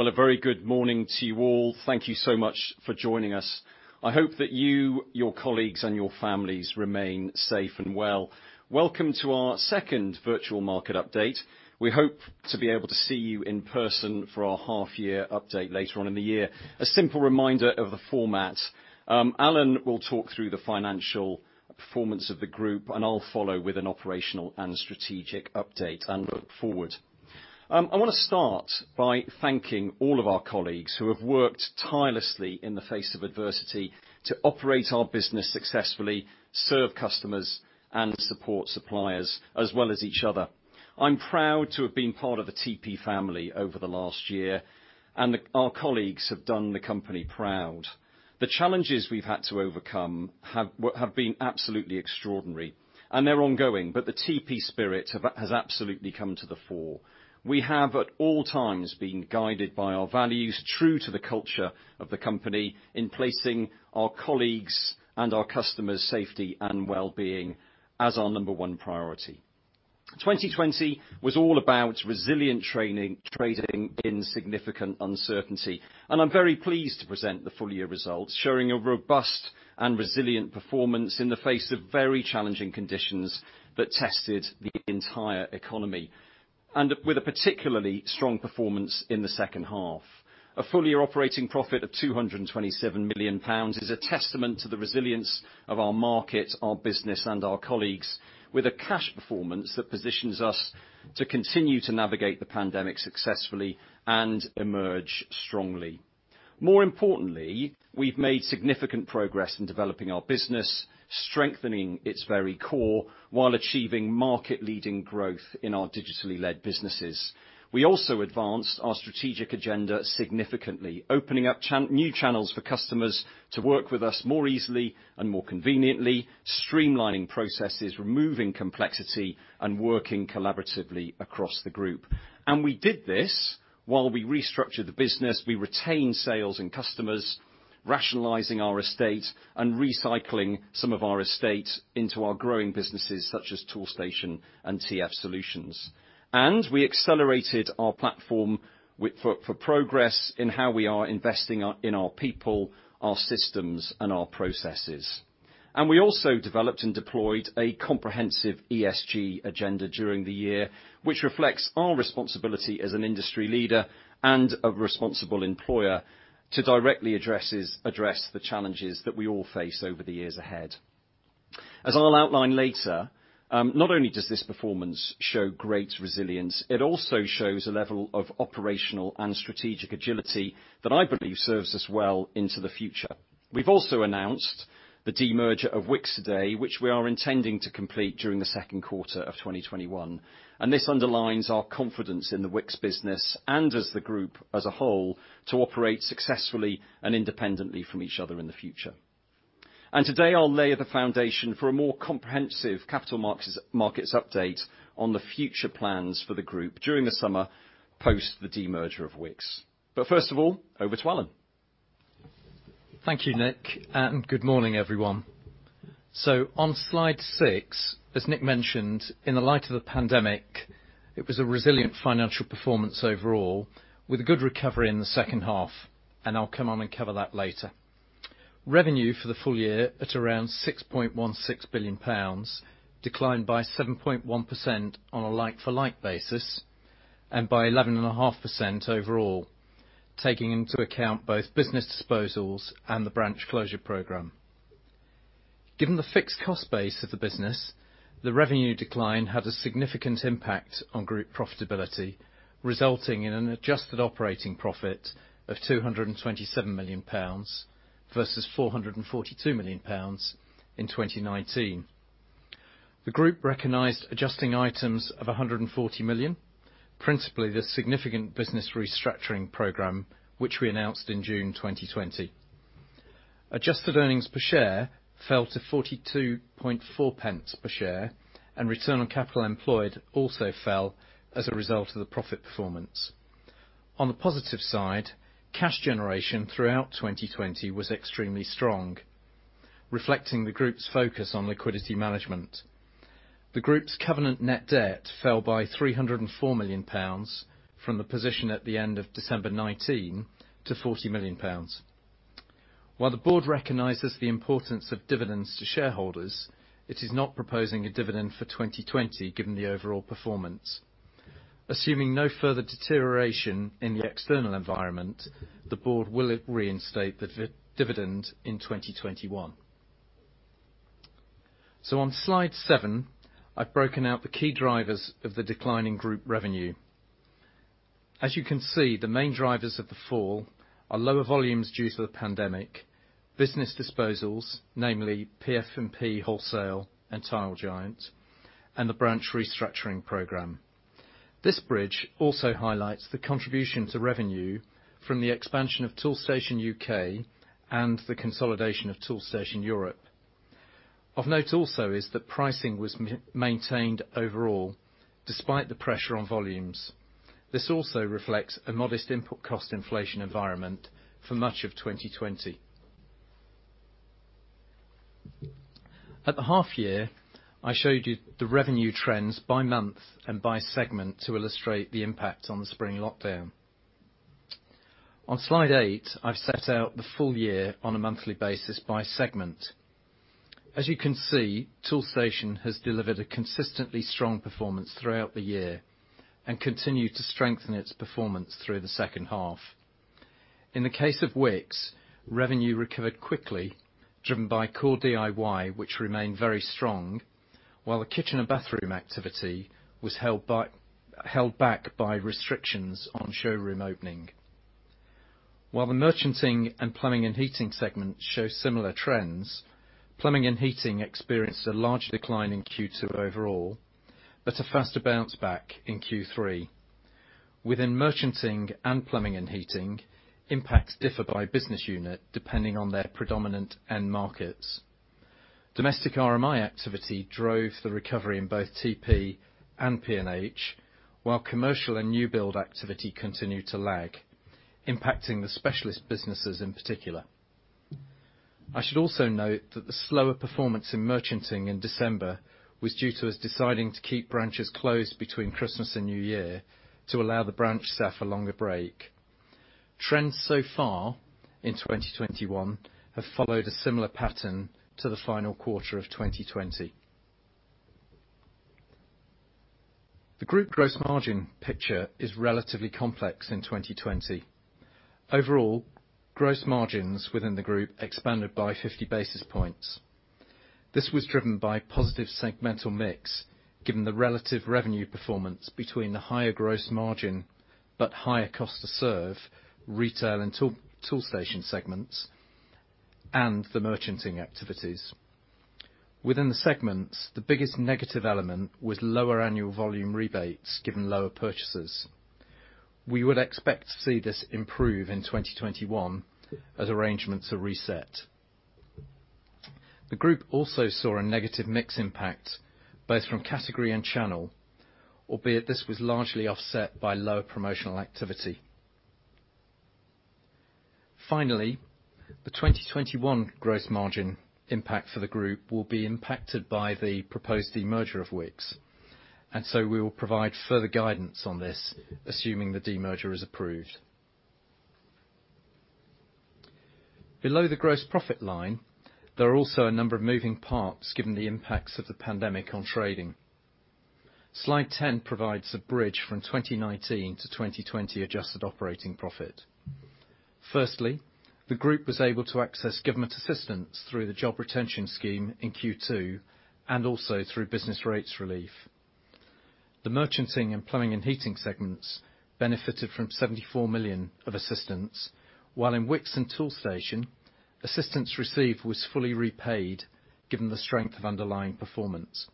Well, a very good morning to you all. Thank you so much for joining us. I hope that you, your colleagues, and your families remain safe and well. Welcome to our second virtual market update. We hope to be able to see you in person for our half year update later on in the year. A simple reminder of the format. Alan will talk through the financial performance of the group, I'll follow with an operational and strategic update, and look forward. I want to start by thanking all of our colleagues who have worked tirelessly in the face of adversity to operate our business successfully, serve customers, and support suppliers, as well as each other. I'm proud to have been part of the TP family over the last year, and our colleagues have done the company proud. The challenges we've had to overcome have been absolutely extraordinary, and they're ongoing, but the TP spirit has absolutely come to the fore. We have, at all times, been guided by our values, true to the culture of the company in placing our colleagues' and our customers' safety and wellbeing as our number one priority. 2020 was all about resilient trading in significant uncertainty, and I'm very pleased to present the full year results, showing a robust and resilient performance in the face of very challenging conditions that tested the entire economy. With a particularly strong performance in the second half. A full year operating profit of 227 million pounds is a testament to the resilience of our market, our business, and our colleagues, with a cash performance that positions us to continue to navigate the pandemic successfully and emerge strongly. More importantly, we've made significant progress in developing our business, strengthening its very core, while achieving market-leading growth in our digitally led businesses. We also advanced our strategic agenda significantly, opening up new channels for customers to work with us more easily and more conveniently, streamlining processes, removing complexity, and working collaboratively across the group. We did this while we restructured the business, we retained sales and customers, rationalizing our estate, and recycling some of our estate into our growing businesses such as Toolstation and TF Solutions. We accelerated our platform for progress in how we are investing in our people, our systems, and our processes. We also developed and deployed a comprehensive ESG agenda during the year, which reflects our responsibility as an industry leader and a responsible employer to directly address the challenges that we all face over the years ahead. As I'll outline later, not only does this performance show great resilience, it also shows a level of operational and strategic agility that I believe serves us well into the future. We've also announced the demerger of Wickes today, which we are intending to complete during the second quarter of 2021, and this underlines our confidence in the Wickes business, and as the group as a whole, to operate successfully and independently from each other in the future. Today, I'll lay the foundation for a more comprehensive capital markets update on the future plans for the group during the summer post the demerger of Wickes. First of all, over to Alan. Thank you, Nick, and good morning, everyone. On slide six, as Nick mentioned, in the light of the pandemic, it was a resilient financial performance overall, with a good recovery in the second half, and I'll come on and cover that later. Revenue for the full year at around 6.16 billion pounds, declined by 7.1% on a like-for-like basis, and by 11.5% overall, taking into account both business disposals and the branch closure program. Given the fixed cost base of the business, the revenue decline had a significant impact on group profitability, resulting in an adjusted operating profit of 227 million pounds versus 442 million pounds in 2019. The group recognized adjusting items of 140 million, principally the significant business restructuring program, which we announced in June 2020. Adjusted earnings per share fell to 0.424 per share, and return on capital employed also fell as a result of the profit performance. On the positive side, cash generation throughout 2020 was extremely strong, reflecting the group's focus on liquidity management. The group's covenant net debt fell by 304 million pounds from the position at the end of December 2019 to 40 million pounds. While the board recognizes the importance of dividends to shareholders, it is not proposing a dividend for 2020 given the overall performance. Assuming no further deterioration in the external environment, the board will reinstate the dividend in 2021. On slide seven, I've broken out the key drivers of the decline in group revenue. As you can see, the main drivers of the fall are lower volumes due to the pandemic, business disposals, namely Primaflow F&P Wholesale and Tile Giant, and the branch restructuring program. This bridge also highlights the contribution to revenue from the expansion of Toolstation U.K. and the consolidation of Toolstation Europe. Of note also is that pricing was maintained overall despite the pressure on volumes. This also reflects a modest input cost inflation environment for much of 2020. At the half year, I showed you the revenue trends by month and by segment to illustrate the impact on the spring lockdown. On slide eight, I've set out the full year on a monthly basis by segment. As you can see, Toolstation has delivered a consistently strong performance throughout the year and continued to strengthen its performance through the second half. In the case of Wickes, revenue recovered quickly, driven by core DIY, which remained very strong, while the kitchen and bathroom activity was held back by restrictions on showroom opening. While the merchanting and Plumbing & Heating segment show similar trends, Plumbing & Heating experienced a large decline in Q2 overall, but a faster bounce back in Q3. Within merchanting and Plumbing & Heating, impacts differ by business unit depending on their predominant end markets. Domestic RMI activity drove the recovery in both TP and P&H, while commercial and new build activity continued to lag, impacting the specialist businesses in particular. I should also note that the slower performance in merchanting in December was due to us deciding to keep branches closed between Christmas and New Year to allow the branch staff a longer break. Trends so far in 2021 have followed a similar pattern to the final quarter of 2020. The group gross margin picture is relatively complex in 2020. Overall, gross margins within the group expanded by 50 basis points. This was driven by positive segmental mix, given the relative revenue performance between the higher gross margin, but higher cost to serve retail and Toolstation segments, and the merchanting activities. Within the segments, the biggest negative element was lower annual volume rebates given lower purchases. We would expect to see this improve in 2021 as arrangements are reset. The group also saw a negative mix impact both from category and channel, albeit this was largely offset by lower promotional activity. Finally, the 2021 gross margin impact for the group will be impacted by the proposed demerger of Wickes, and so we will provide further guidance on this, assuming the demerger is approved. Below the gross profit line, there are also a number of moving parts given the impacts of the pandemic on trading. Slide 10 provides a bridge from 2019 to 2020 adjusted operating profit. Firstly, the group was able to access government assistance through the Job Retention Scheme in Q2, and also through Business Rates Relief. The merchanting and Plumbing & Heating segments benefited from 74 million of assistance, while in Wickes and Toolstation, assistance received was fully repaid, given the strength of underlying performance.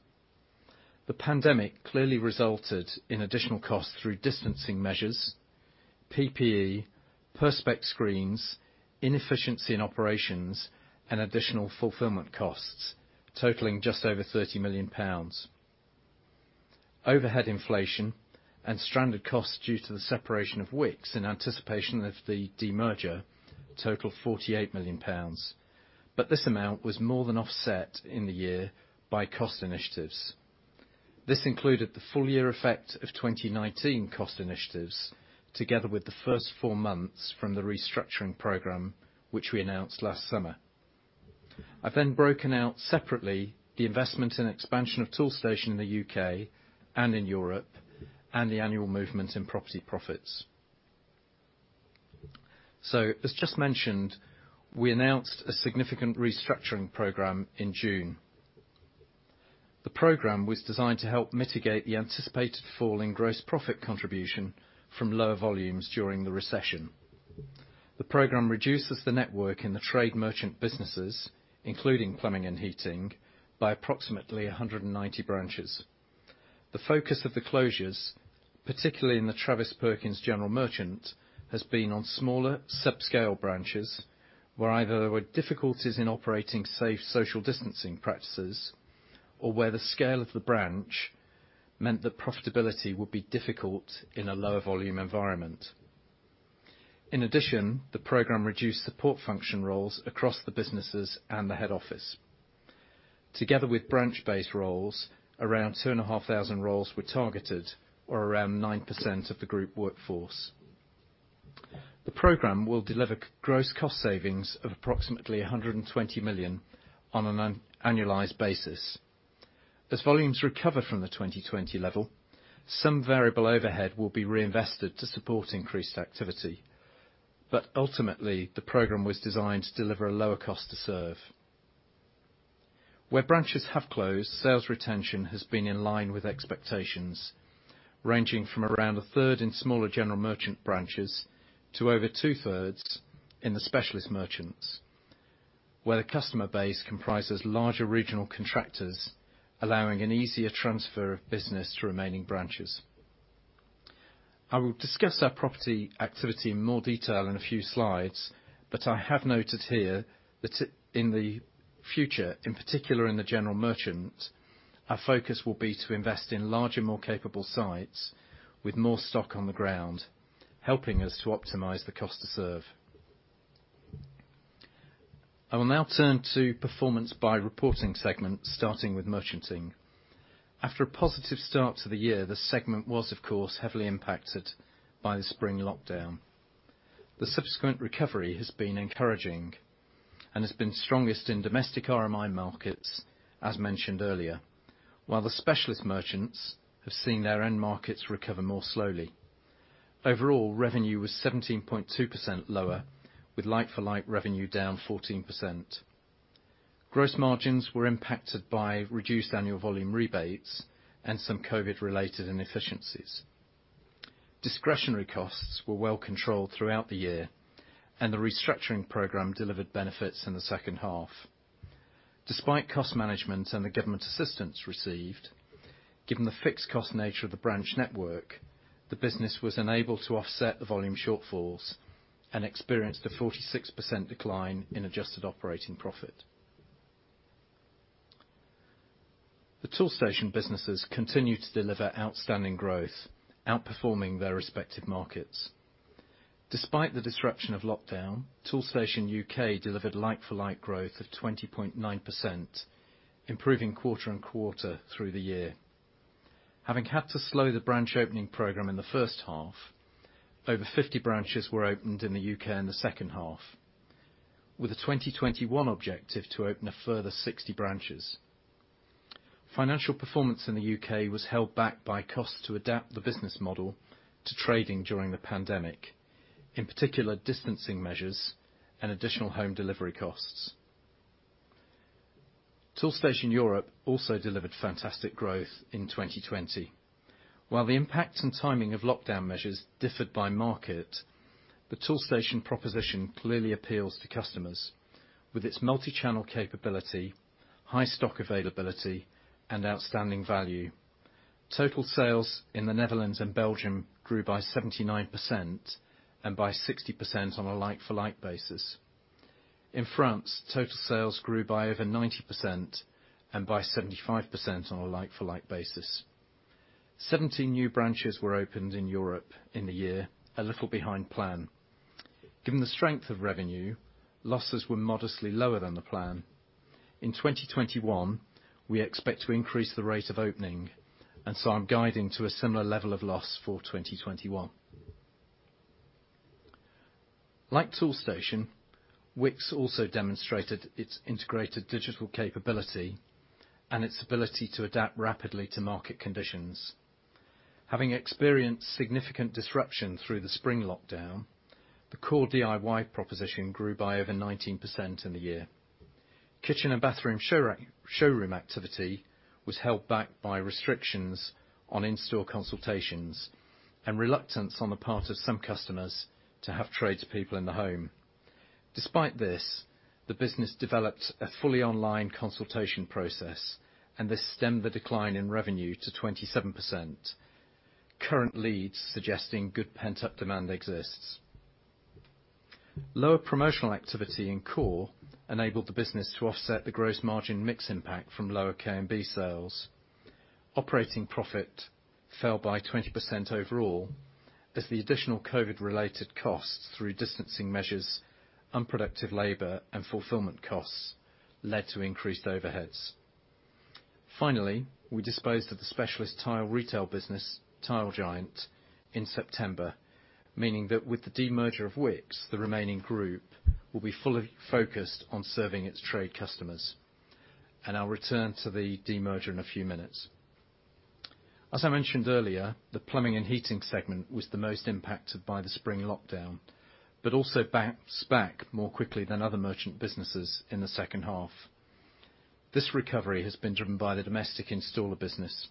The pandemic clearly resulted in additional costs through distancing measures, PPE, Perspex screens, inefficiency in operations, and additional fulfillment costs, totaling just over 30 million pounds. Overhead inflation and stranded costs due to the separation of Wickes in anticipation of the demerger total 48 million pounds. This amount was more than offset in the year by cost initiatives. This included the full year effect of 2019 cost initiatives, together with the first four months from the restructuring program, which we announced last summer. I've broken out separately the investment and expansion of Toolstation in the U.K. and in Europe, and the annual movement in property profits. As just mentioned, we announced a significant restructuring program in June. The program was designed to help mitigate the anticipated fall in gross profit contribution from lower volumes during the recession. The program reduces the network in the trade merchant businesses, including Plumbing and Heating, by approximately 190 branches. The focus of the closures, particularly in the Travis Perkins general merchant, has been on smaller sub-scale branches, where either there were difficulties in operating safe social distancing practices, or where the scale of the branch meant that profitability would be difficult in a lower volume environment. In addition, the program reduced support function roles across the businesses and the head office. Together with branch-based roles, around 2,500 roles were targeted, or around 9% of the group workforce. The program will deliver gross cost savings of approximately 120 million on an annualized basis. As volumes recover from the 2020 level, some variable overhead will be reinvested to support increased activity. Ultimately, the program was designed to deliver a lower cost to serve. Where branches have closed, sales retention has been in line with expectations, ranging from around a third in smaller general merchant branches to over two-thirds in the specialist merchants, where the customer base comprises larger regional contractors, allowing an easier transfer of business to remaining branches. I will discuss our property activity in more detail in a few slides, but I have noted here that in the future, in particular in the general merchant, our focus will be to invest in larger, more capable sites with more stock on the ground, helping us to optimize the cost to serve. I will now turn to performance by reporting segment, starting with merchanting. After a positive start to the year, the segment was, of course, heavily impacted by the spring lockdown. The subsequent recovery has been encouraging and has been strongest in domestic RMI markets, as mentioned earlier, while the specialist merchants have seen their own markets recover more slowly. Overall, revenue was 17.2% lower, with like-for-like revenue down 14%. Gross margins were impacted by reduced annual volume rebates and some COVID related inefficiencies. Discretionary costs were well controlled throughout the year, and the restructuring program delivered benefits in the second half. Despite cost management and the government assistance received, given the fixed cost nature of the branch network, the business was unable to offset the volume shortfalls and experienced a 46% decline in adjusted operating profit. The Toolstation businesses continue to deliver outstanding growth, outperforming their respective markets. Despite the disruption of lockdown, Toolstation U.K. delivered like-for-like growth of 20.9%, improving quarter on quarter through the year. Having had to slow the branch opening program in the first half, over 50 branches were opened in the U.K. in the second half, with a 2021 objective to open a further 60 branches. Financial performance in the U.K. was held back by costs to adapt the business model to trading during the pandemic, in particular, distancing measures and additional home delivery costs. Toolstation Europe also delivered fantastic growth in 2020. While the impact and timing of lockdown measures differed by market, the Toolstation proposition clearly appeals to customers with its multi-channel capability, high stock availability, and outstanding value. Total sales in the Netherlands and Belgium grew by 79% and by 60% on a like-for-like basis. In France, total sales grew by over 90% and by 75% on a like-for-like basis. 17 new branches were opened in Europe in the year, a little behind plan. Given the strength of revenue, losses were modestly lower than the plan. In 2021, we expect to increase the rate of opening and so are guiding to a similar level of loss for 2021. Like Toolstation, Wickes also demonstrated its integrated digital capability and its ability to adapt rapidly to market conditions. Having experienced significant disruption through the spring lockdown, the core DIY proposition grew by over 19% in the year. Kitchen and bathroom showroom activity was held back by restrictions on in-store consultations and reluctance on the part of some customers to have tradespeople in the home. Despite this, the business developed a fully online consultation process, and this stemmed the decline in revenue to 27%, current leads suggesting good pent-up demand exists. Lower promotional activity in core enabled the business to offset the gross margin mix impact from lower K&B sales. Operating profit fell by 20% overall as the additional COVID related costs through distancing measures, unproductive labor, and fulfillment costs led to increased overheads. Finally, we disposed of the specialist tile retail business, Tile Giant, in September, meaning that with the demerger of Wickes, the remaining group will be fully focused on serving its trade customers, and I'll return to the demerger in a few minutes. As I mentioned earlier, the Plumbing and Heating segment was the most impacted by the spring lockdown, but also bounced back more quickly than other merchant businesses in the second half. This recovery has been driven by the domestic installer business.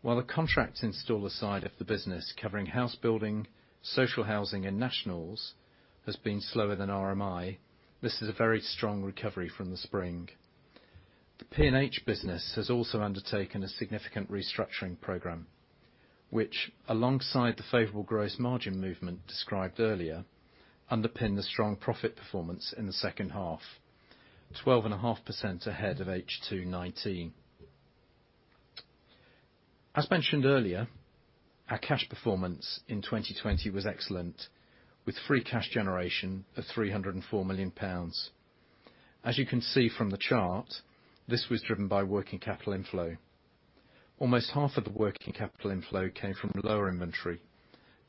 While the contract installer side of the business, covering house building, social housing, and nationals, has been slower than RMI, this is a very strong recovery from the spring. The P&H business has also undertaken a significant restructuring program, which alongside the favorable gross margin movement described earlier, underpin the strong profit performance in the second half, 12.5% ahead of H2 2019. As mentioned earlier, our cash performance in 2020 was excellent, with free cash generation of 304 million pounds. As you can see from the chart, this was driven by working capital inflow. Almost half of the working capital inflow came from lower inventory,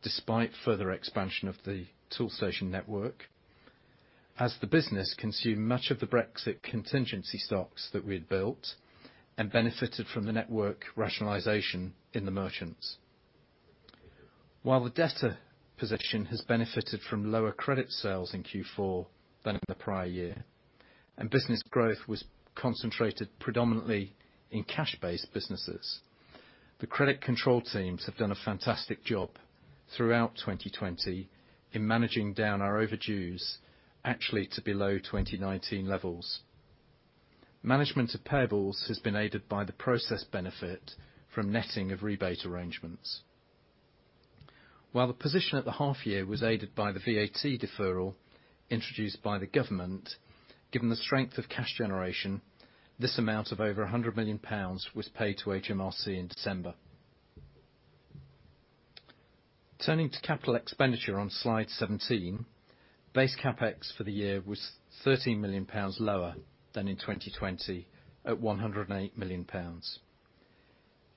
despite further expansion of the Toolstation network, as the business consumed much of the Brexit contingency stocks that we had built and benefited from the network rationalization in the merchants. While the debtor position has benefited from lower credit sales in Q4 than in the prior year, and business growth was concentrated predominantly in cash-based businesses, the credit control teams have done a fantastic job throughout 2020 in managing down our overdues, actually to below 2019 levels. Management of payables has been aided by the process benefit from netting of rebate arrangements. While the position at the half year was aided by the VAT deferral introduced by the government, given the strength of cash generation, this amount of over 100 million pounds was paid to HMRC in December. Turning to capital expenditure on slide 17, base CapEx for the year was 13 million pounds lower than in 2020 at 108 million pounds.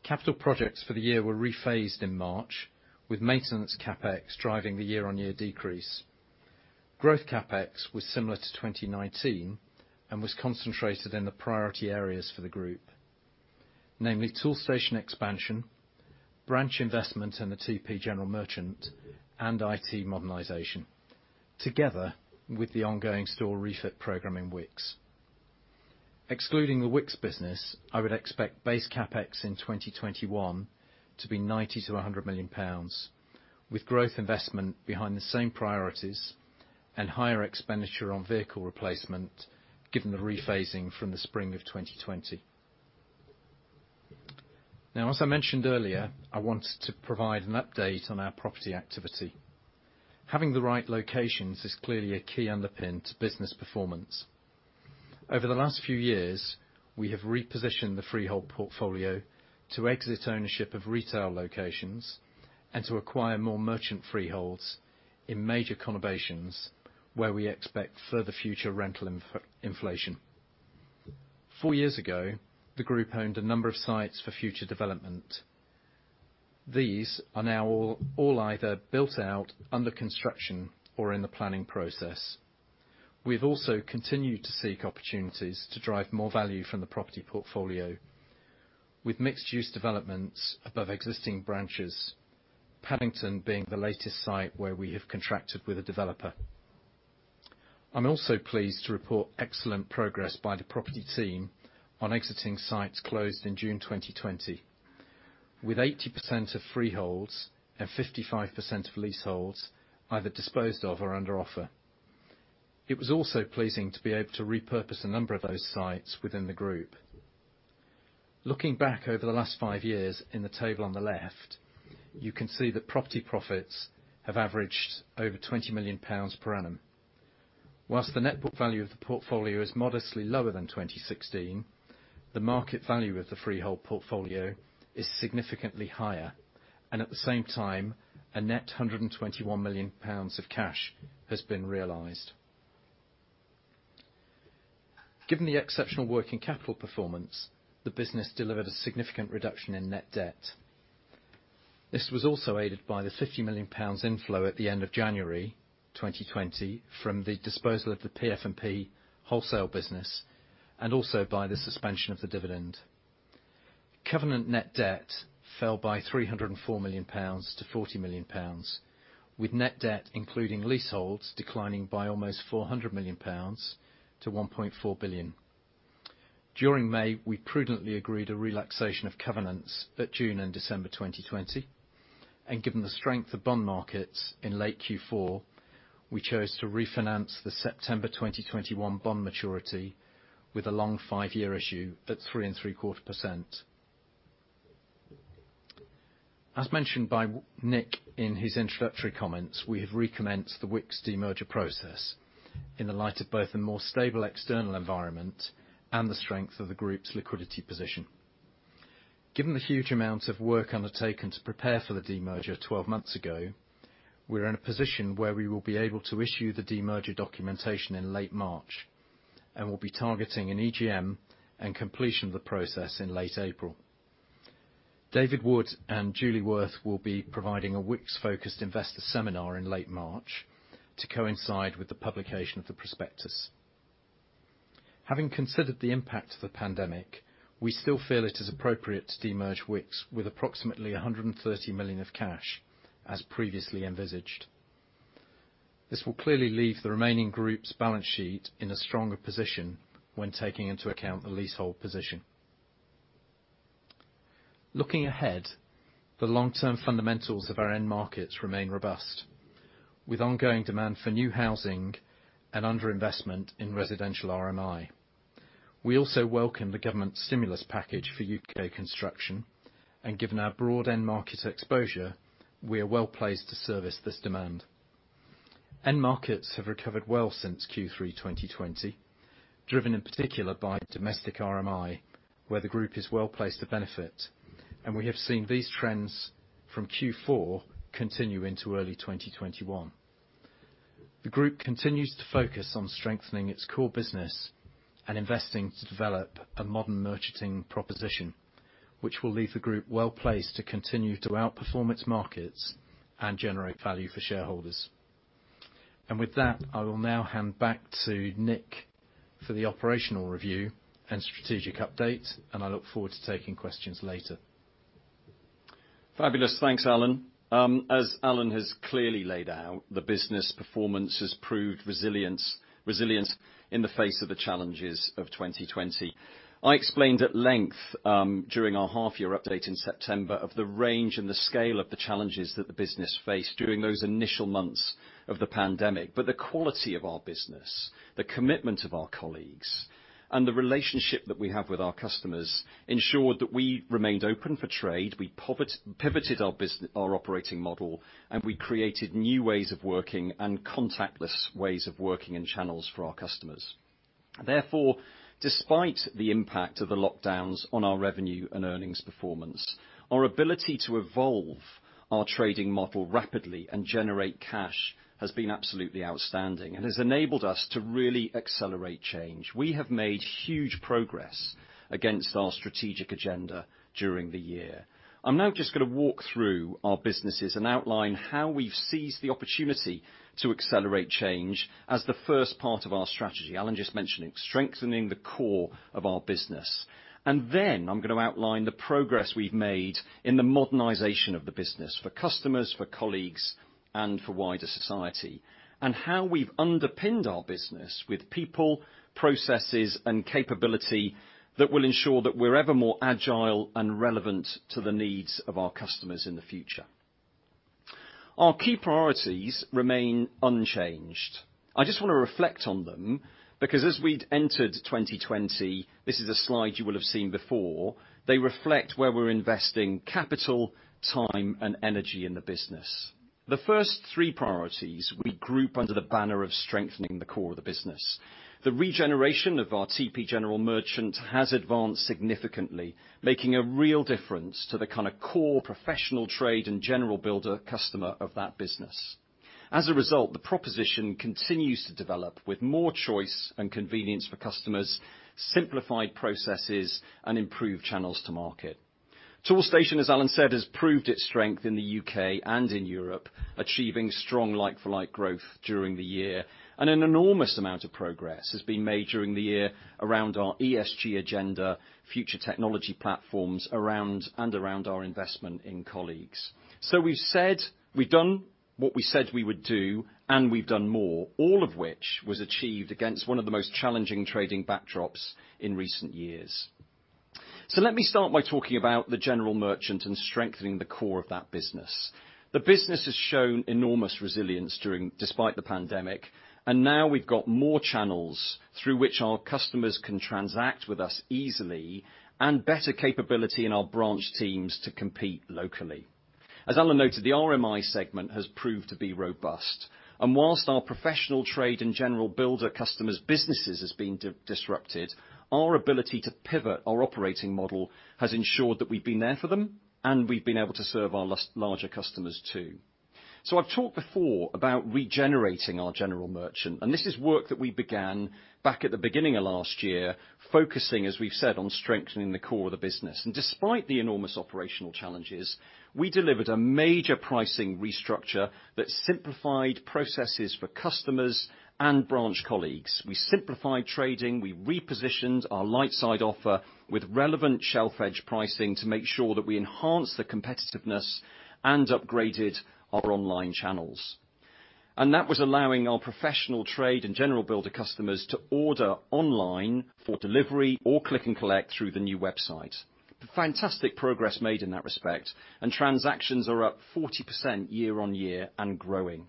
Capital projects for the year were rephased in March, with maintenance CapEx driving the year-on-year decrease. Growth CapEx was similar to 2019 and was concentrated in the priority areas for the group, namely Toolstation expansion, branch investment in the TP general merchant, and IT modernization, together with the ongoing store refit program in Wickes. Excluding the Wickes business, I would expect base CapEx in 2021 to be 90 to 100 million pounds, with growth investment behind the same priorities and higher expenditure on vehicle replacement, given the rephasing from the spring of 2020. As I mentioned earlier, I wanted to provide an update on our property activity. Having the right locations is clearly a key underpin to business performance. Over the last few years, we have repositioned the freehold portfolio to exit ownership of retail locations and to acquire more merchant freeholds in major conurbations where we expect further future rental inflation. Four years ago, the group owned a number of sites for future development. These are now all either built out, under construction, or in the planning process. We've also continued to seek opportunities to drive more value from the property portfolio, with mixed-use developments above existing branches, Paddington being the latest site where we have contracted with a developer. I'm also pleased to report excellent progress by the property team on exiting sites closed in June 2020. With 80% of freeholds and 55% of leaseholds either disposed of or under offer. It was also pleasing to be able to repurpose a number of those sites within the group. Looking back over the last five years, in the table on the left, you can see that property profits have averaged over 20 million pounds per annum. Whilst the net book value of the portfolio is modestly lower than 2016, the market value of the freehold portfolio is significantly higher and, at the same time, a net 121 million pounds of cash has been realized. Given the exceptional working capital performance, the business delivered a significant reduction in net debt. This was also aided by the 50 million pounds inflow at the end of January 2020 from the disposal of the PF&P wholesale business, and also by the suspension of the dividend. Covenant net debt fell by 304 million pounds to 40 million pounds, with net debt including leaseholds declining by almost 400 million pounds to 1.4 billion. During May, we prudently agreed a relaxation of covenants at June and December 2020, and given the strength of bond markets in late Q4, we chose to refinance the September 2021 bond maturity with a long five-year issue at 3.75%. As mentioned by Nick in his introductory comments, we have recommenced the Wickes demerger process in the light of both a more stable external environment and the strength of the group's liquidity position. Given the huge amount of work undertaken to prepare for the demerger 12 months ago, we're in a position where we will be able to issue the demerger documentation in late March, and will be targeting an EGM and completion of the process in late April. David Wood and Julie Wirth will be providing a Wickes-focused investor seminar in late March to coincide with the publication of the prospectus. Having considered the impact of the pandemic, we still feel it is appropriate to demerge Wickes with approximately 130 million of cash, as previously envisaged. This will clearly leave the remaining group's balance sheet in a stronger position when taking into account the leasehold position. Looking ahead, the long-term fundamentals of our end markets remain robust, with ongoing demand for new housing and underinvestment in residential RMI. Given our broad end market exposure, we are well-placed to service this demand. End markets have recovered well since Q3 2020, driven in particular by domestic RMI, where the group is well-placed to benefit, and we have seen these trends from Q4 continue into early 2021. The group continues to focus on strengthening its core business and investing to develop a modern merchanting proposition, which will leave the group well-placed to continue to outperform its markets and generate value for shareholders. With that, I will now hand back to Nick for the operational review and strategic update, and I look forward to taking questions later. Fabulous. Thanks, Alan. As Alan has clearly laid out, the business performance has proved resilient in the face of the challenges of 2020. I explained at length during our half-year update in September of the range and the scale of the challenges that the business faced during those initial months of the pandemic. The quality of our business, the commitment of our colleagues, and the relationship that we have with our customers ensured that we remained open for trade, we pivoted our operating model, and we created new ways of working and contactless ways of working and channels for our customers. Despite the impact of the lockdowns on our revenue and earnings performance, our ability to evolve our trading model rapidly and generate cash has been absolutely outstanding and has enabled us to really accelerate change. We have made huge progress against our strategic agenda during the year. I'm now just going to walk through our businesses and outline how we've seized the opportunity to accelerate change as the first part of our strategy, Alan just mentioned it, strengthening the core of our business. I'm going to outline the progress we've made in the modernization of the business for customers, for colleagues, and for wider society, and how we've underpinned our business with people, processes, and capability that will ensure that we're ever more agile and relevant to the needs of our customers in the future. Our key priorities remain unchanged. I just want to reflect on them because as we'd entered 2020, this is a slide you will have seen before, they reflect where we're investing capital, time, and energy in the business. The first three priorities we group under the banner of strengthening the core of the business. The regeneration of our TP General Merchant has advanced significantly, making a real difference to the kind of core professional trade and general builder customer of that business. As a result, the proposition continues to develop with more choice and convenience for customers, simplified processes, and improved channels to market. Toolstation, as Alan said, has proved its strength in the U.K. and in Europe, achieving strong like-for-like growth during the year. An enormous amount of progress has been made during the year around our ESG agenda, future technology platforms, and around our investment in colleagues. We've done what we said we would do, and we've done more, all of which was achieved against one of the most challenging trading backdrops in recent years. Let me start by talking about the General Merchant and strengthening the core of that business. The business has shown enormous resilience despite the pandemic, now we've got more channels through which our customers can transact with us easily and better capability in our branch teams to compete locally. As Alan noted, the RMI segment has proved to be robust, whilst our professional trade and general builder customers' businesses has been disrupted, our ability to pivot our operating model has ensured that we've been there for them, we've been able to serve our larger customers, too. I've talked before about regenerating our General Merchant, this is work that we began back at the beginning of last year, focusing, as we've said, on strengthening the core of the business. Despite the enormous operational challenges, we delivered a major pricing restructure that simplified processes for customers and branch colleagues. We simplified trading, we repositioned our light side offer with relevant shelf edge pricing to make sure that we enhance the competitiveness and upgraded our online channels. That was allowing our professional trade and general builder customers to order online for delivery or click and collect through the new website. Fantastic progress made in that respect, transactions are up 40% year-on-year and growing.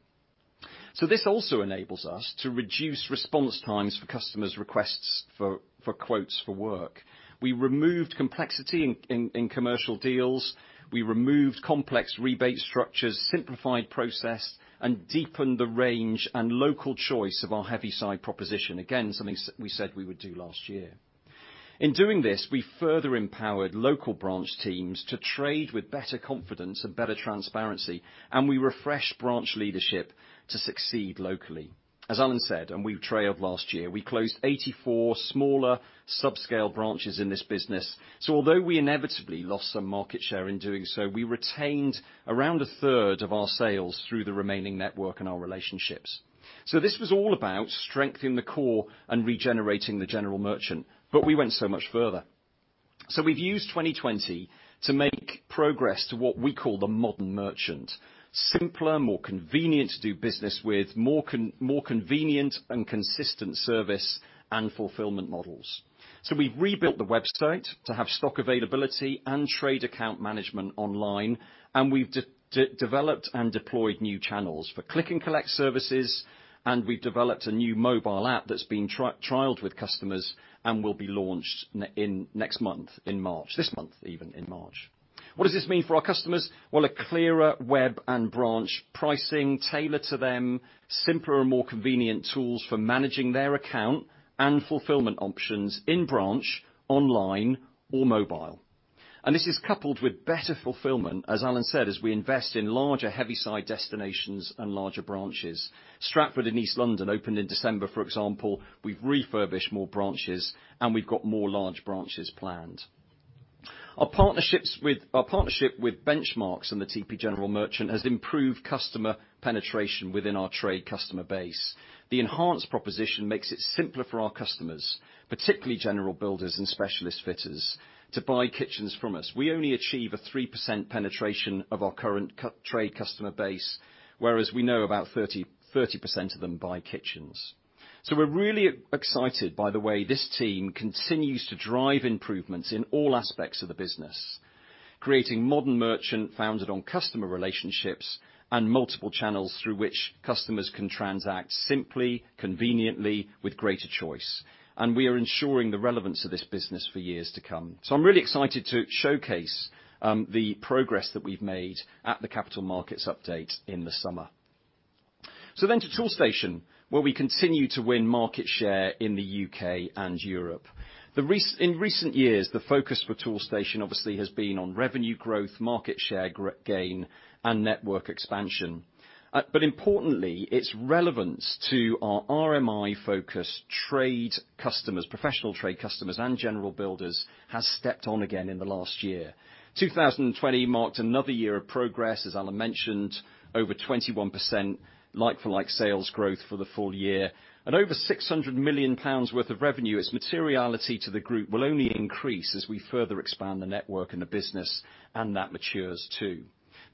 This also enables us to reduce response times for customers' requests for quotes for work. We removed complexity in commercial deals, we removed complex rebate structures, simplified process, and deepened the range and local choice of our heavy side proposition. Again, something we said we would do last year. In doing this, we further empowered local branch teams to trade with better confidence and better transparency, and we refreshed branch leadership to succeed locally. As Alan said, we trailed last year, we closed 84 smaller subscale branches in this business. Although we inevitably lost some market share in doing so, we retained around 1/3 of our sales through the remaining network and our relationships. This was all about strengthening the core and regenerating the General Merchant, we went so much further. We've used 2020 to make progress to what we call the modern merchant, simpler, more convenient to do business with, more convenient and consistent service and fulfillment models. We've rebuilt the website to have stock availability and trade account management online, we've developed and deployed new channels for click and collect services, we've developed a new mobile app that's being trialed with customers and will be launched next month in March, this month even in March. What does this mean for our customers? Well, a clearer web and branch pricing tailored to them, simpler and more convenient tools for managing their account, and fulfillment options in branch, online, or mobile. This is coupled with better fulfillment, as Alan said, as we invest in larger heavy side destinations and larger branches. Stratford in East London opened in December, for example. We've refurbished more branches, and we've got more large branches planned. Our partnership with Benchmarx and the TP General Merchant has improved customer penetration within our trade customer base. The enhanced proposition makes it simpler for our customers, particularly general builders and specialist fitters, to buy kitchens from us. We only achieve a 3% penetration of our current trade customer base, whereas we know about 30% of them buy kitchens. We're really excited by the way this team continues to drive improvements in all aspects of the business, creating modern merchant founded on customer relationships and multiple channels through which customers can transact simply, conveniently, with greater choice. We are ensuring the relevance of this business for years to come. I'm really excited to showcase the progress that we've made at the capital markets update in the summer. To Toolstation, where we continue to win market share in the U.K. and Europe. In recent years, the focus for Toolstation obviously has been on revenue growth, market share gain, and network expansion. Importantly, its relevance to our RMI-focused professional trade customers and general builders has stepped on again in the last year. 2020 marked another year of progress, as Alan mentioned, over 21% like-for-like sales growth for the full year, and over GBP 600 million worth of revenue. Its materiality to the group will only increase as we further expand the network and the business, and that matures, too.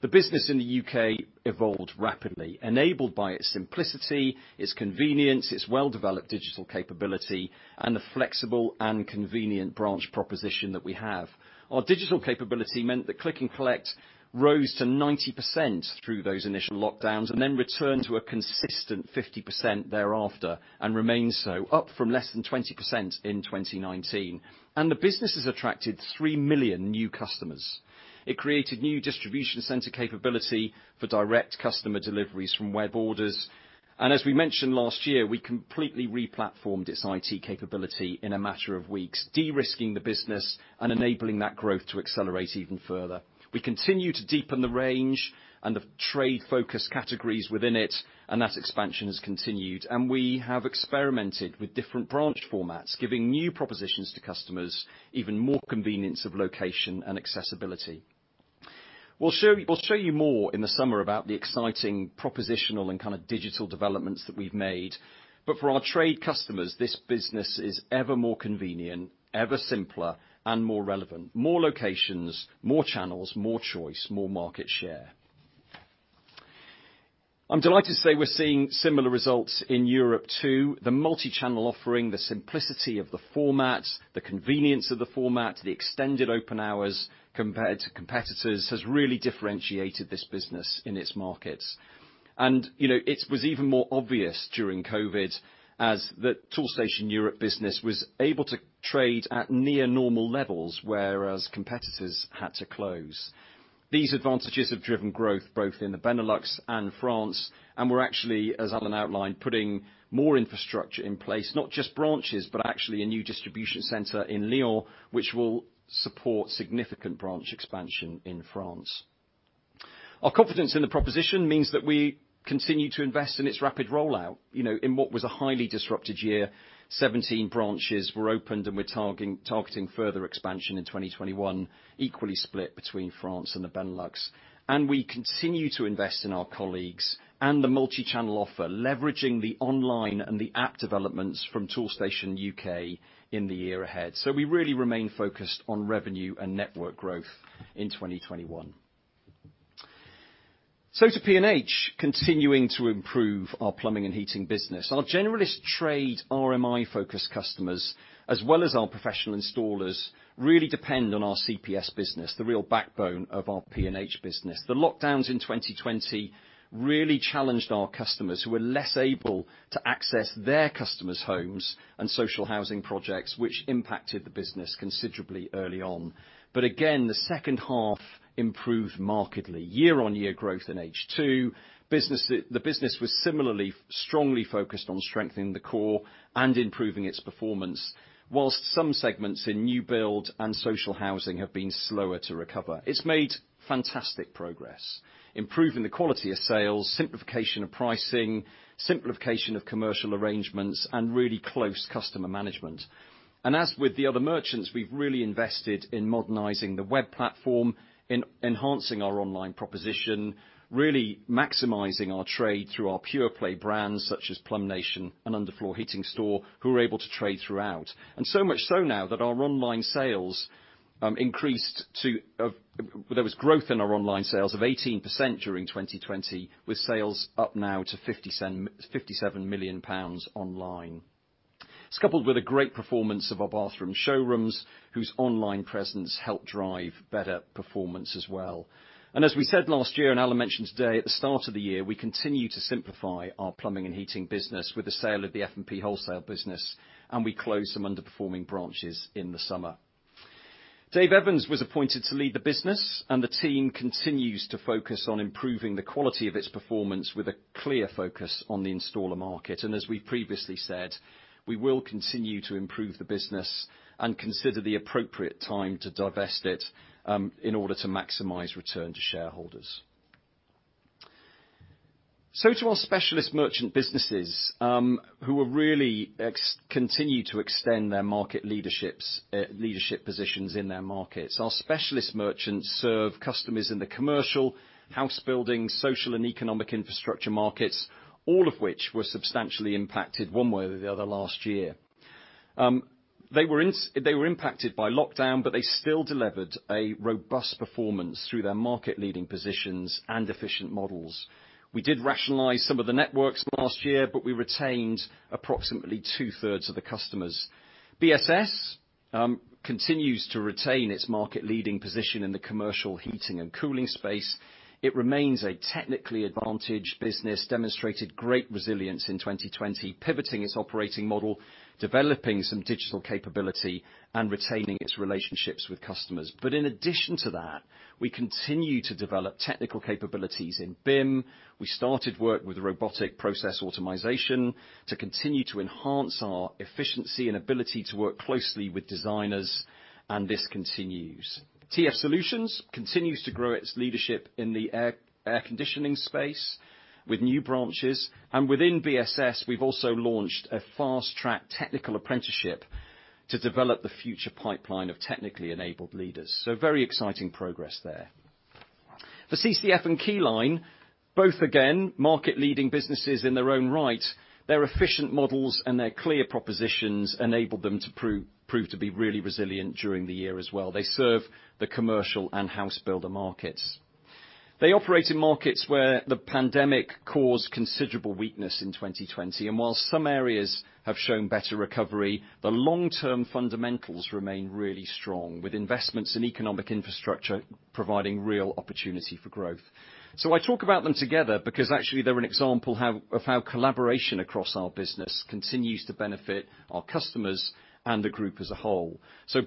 The business in the U.K. evolved rapidly, enabled by its simplicity, its convenience, its well-developed digital capability, and the flexible and convenient branch proposition that we have. Our digital capability meant that click and collect rose to 90% through those initial lockdowns and then returned to a consistent 50% thereafter, and remains so, up from less than 20% in 2019. The business has attracted three million new customers. It created new distribution center capability for direct customer deliveries from web orders. As we mentioned last year, we completely re-platformed its IT capability in a matter of weeks, de-risking the business and enabling that growth to accelerate even further. We continue to deepen the range and the trade-focused categories within it, and that expansion has continued. We have experimented with different branch formats, giving new propositions to customers, even more convenience of location and accessibility. We'll show you more in the summer about the exciting propositional and digital developments that we've made. For our trade customers, this business is ever more convenient, ever simpler, and more relevant. More locations, more channels, more choice, more market share. I'm delighted to say we're seeing similar results in Europe, too. The multi-channel offering, the simplicity of the format, the convenience of the format, the extended open hours compared to competitors, has really differentiated this business in its markets. It was even more obvious during COVID as the Toolstation Europe business was able to trade at near normal levels, whereas competitors had to close. These advantages have driven growth both in the Benelux and France, we're actually, as Alan outlined, putting more infrastructure in place, not just branches, but actually a new distribution center in Lyon, which will support significant branch expansion in France. Our confidence in the proposition means that we continue to invest in its rapid rollout. In what was a highly disrupted year, 17 branches were opened, we're targeting further expansion in 2021, equally split between France and the Benelux. We continue to invest in our colleagues and the multi-channel offer, leveraging the online and the app developments from Toolstation U.K. in the year ahead. We really remain focused on revenue and network growth in 2021. To P&H, continuing to improve our plumbing and heating business. Our generalist trade RMI-focused customers, as well as our professional installers, really depend on our CPS business, the real backbone of our P&H business. The lockdowns in 2020 really challenged our customers, who were less able to access their customers' homes and social housing projects, which impacted the business considerably early on. Again, the second half improved markedly year-on-year growth in H2. The business was similarly strongly focused on strengthening the core and improving its performance, while some segments in new build and social housing have been slower to recover. It's made fantastic progress, improving the quality of sales, simplification of pricing, simplification of commercial arrangements, and really close customer management. As with the other merchants, we've really invested in modernizing the web platform, enhancing our online proposition, really maximizing our trade through our pure play brands such as PlumbNation and The Underfloor Heating Store, who were able to trade throughout. So much so now that there was growth in our online sales of 18% during 2020, with sales up now to 57 million pounds online. It's coupled with a great performance of our bathroom showrooms, whose online presence helped drive better performance as well. As we said last year, Alan mentioned today, at the start of the year, we continued to simplify our Plumbing & Heating business with the sale of the F&P wholesale business, and we closed some underperforming branches in the summer. Dave Evans was appointed to lead the business. The team continues to focus on improving the quality of its performance with a clear focus on the installer market. As we've previously said, we will continue to improve the business and consider the appropriate time to divest it in order to maximize return to shareholders. To our specialist merchant businesses, who will really continue to extend their market leadership positions in their markets. Our specialist merchants serve customers in the commercial, house building, social and economic infrastructure markets, all of which were substantially impacted one way or the other last year. They were impacted by lockdown. They still delivered a robust performance through their market-leading positions and efficient models. We did rationalize some of the networks last year. We retained approximately two-thirds of the customers. BSS continues to retain its market leading position in the commercial heating and cooling space. It remains a technically advantaged business, demonstrated great resilience in 2020, pivoting its operating model, developing some digital capability, and retaining its relationships with customers. In addition to that, we continue to develop technical capabilities in BIM. We started work with robotic process automation to continue to enhance our efficiency and ability to work closely with designers, and this continues. TF Solutions continues to grow its leadership in the air conditioning space with new branches. Within BSS, we've also launched a fast-track technical apprenticeship to develop the future pipeline of technically enabled leaders. Very exciting progress there. For CCF and Keyline, both, again, market leading businesses in their own right. Their efficient models and their clear propositions enabled them to prove to be really resilient during the year as well. They serve the commercial and house builder markets. They operate in markets where the pandemic caused considerable weakness in 2020. While some areas have shown better recovery, the long-term fundamentals remain really strong, with investments in economic infrastructure providing real opportunity for growth. I talk about them together because actually they're an example of how collaboration across our business continues to benefit our customers and the group as a whole.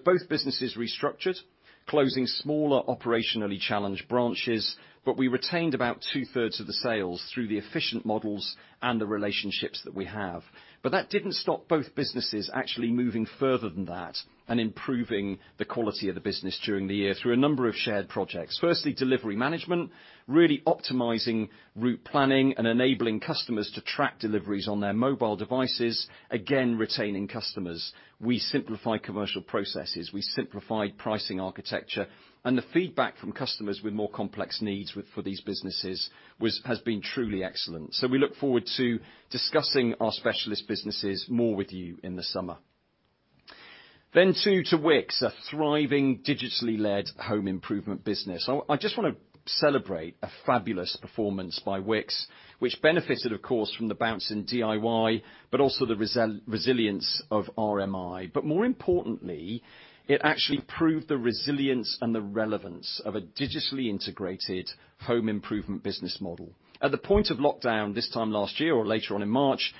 Both businesses restructured, closing smaller operationally challenged branches. We retained about two-thirds of the sales through the efficient models and the relationships that we have. That didn't stop both businesses actually moving further than that and improving the quality of the business during the year through a number of shared projects. Firstly, delivery management, really optimizing route planning and enabling customers to track deliveries on their mobile devices, again, retaining customers. We simplified commercial processes. We simplified pricing architecture. The feedback from customers with more complex needs for these businesses has been truly excellent. We look forward to discussing our specialist businesses more with you in the summer. Too, to Wickes, a thriving, digitally led home improvement business. I just want to celebrate a fabulous performance by Wickes, which benefited, of course, from the bounce in DIY, but also the resilience of RMI. More importantly, it actually proved the resilience and the relevance of a digitally integrated home improvement business model. At the point of lockdown this time last year or later on in March,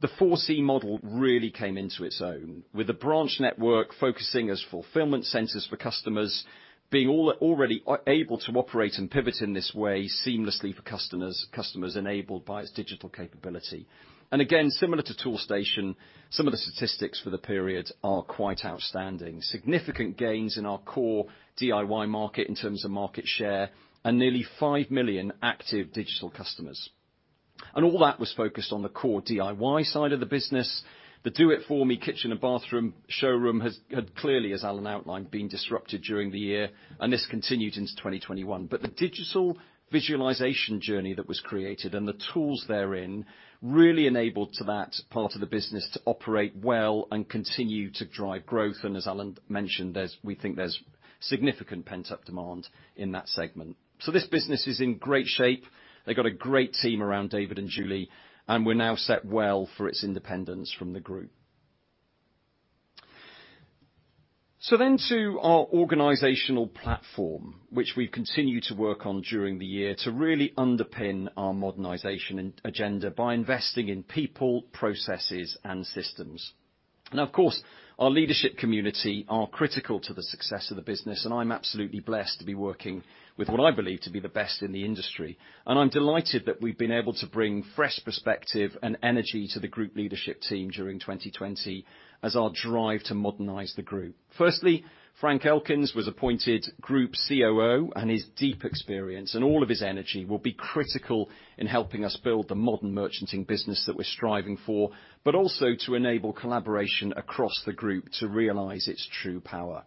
the 4C model really came into its own, with the branch network focusing as fulfillment centers for customers, being already able to operate and pivot in this way seamlessly for customers, enabled by its digital capability. Again, similar to Toolstation, some of the statistics for the period are quite outstanding. Significant gains in our core DIY market in terms of market share and nearly 5 million active digital customers. All that was focused on the core DIY side of the business. The Do It For Me kitchen and bathroom showroom had clearly, as Alan outlined, been disrupted during the year, and this continued into 2021. The digital visualization journey that was created and the tools therein really enabled to that part of the business to operate well and continue to drive growth. As Alan mentioned, we think there's significant pent-up demand in that segment. This business is in great shape. They've got a great team around David and Julie, and we're now set well for its independence from the group. To our organizational platform, which we've continued to work on during the year to really underpin our modernization agenda by investing in people, processes, and systems. Of course, our leadership community are critical to the success of the business, and I'm absolutely blessed to be working with who I believe to be the best in the industry. I'm delighted that we've been able to bring fresh perspective and energy to the group leadership team during 2020 as our drive to modernize the group. Firstly, Frank Elkins was appointed Group COO, his deep experience and all of his energy will be critical in helping us build the modern merchanting business that we're striving for, but also to enable collaboration across the group to realize its true power.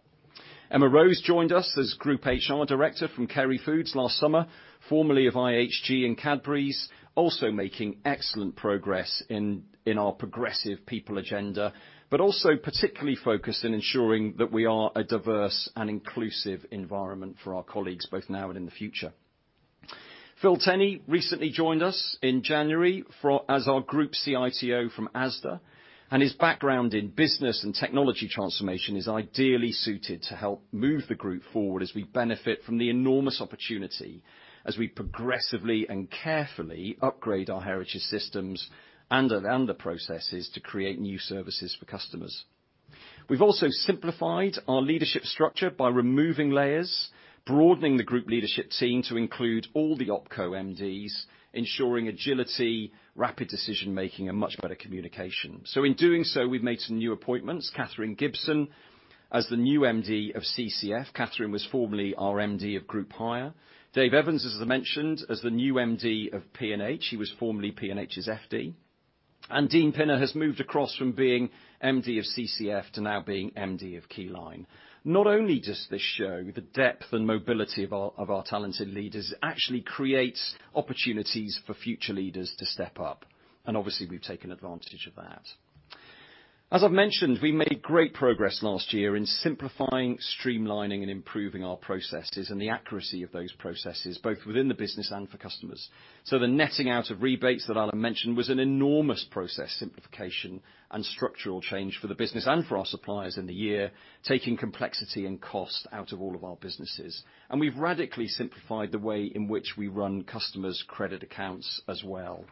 Emma Rose joined us as Group HR Director from Kerry Foods last summer, formerly of IHG and Cadbury, also making excellent progress in our progressive people agenda, particularly focused in ensuring that we are a diverse and inclusive environment for our colleagues, both now and in the future. Phil Tenney recently joined us in January as our Group CITO from Asda, his background in business and technology transformation is ideally suited to help move the group forward as we benefit from the enormous opportunity as we progressively and carefully upgrade our heritage systems and the processes to create new services for customers. We've also simplified our leadership structure by removing layers, broadening the group leadership team to include all the opco MDs, ensuring agility, rapid decision-making, and much better communication. In doing so, we've made some new appointments, Catherine Gibson as the new MD of CCF. Catherine was formerly our MD of Group Hire. Dave Evans, as I mentioned, as the new MD of P&H. He was formerly P&H's FD. Dean Pinner has moved across from being MD of CCF to now being MD of Keyline. Not only does this show the depth and mobility of our talented leaders, it actually creates opportunities for future leaders to step up. Obviously, we've taken advantage of that. As I've mentioned, we made great progress last year in simplifying, streamlining, and improving our processes and the accuracy of those processes, both within the business and for customers. The netting out of rebates that Alan mentioned was an enormous process simplification and structural change for the business and for our suppliers in the year, taking complexity and cost out of all of our businesses. We've radically simplified the way in which we run customers' credit accounts as well.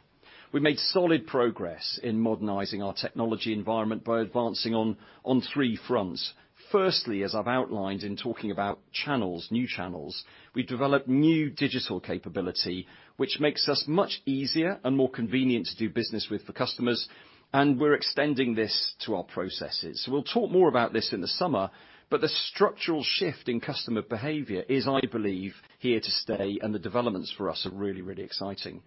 We made solid progress in modernizing our technology environment by advancing on three fronts. Firstly, as I've outlined in talking about channels, new channels, we developed new digital capability, which makes us much easier and more convenient to do business with for customers, and we're extending this to our processes. We'll talk more about this in the summer, but the structural shift in customer behavior is, I believe, here to stay, and the developments for us are really, really exciting.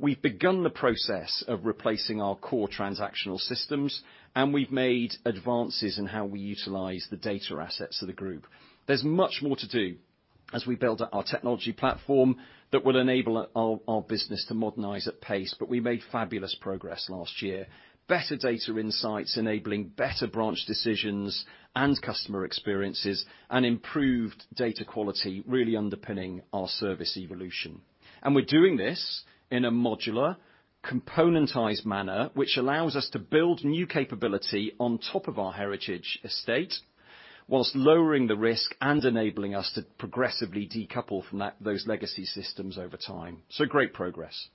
We've begun the process of replacing our core transactional systems, and we've made advances in how we utilize the data assets of the group. There's much more to do as we build up our technology platform that will enable our business to modernize at pace, but we made fabulous progress last year. Better data insights, enabling better branch decisions and customer experiences, improved data quality really underpinning our service evolution. We're doing this in a modular, componentized manner, which allows us to build new capability on top of our heritage estate, while lowering the risk and enabling us to progressively decouple from those legacy systems over time. Great progress.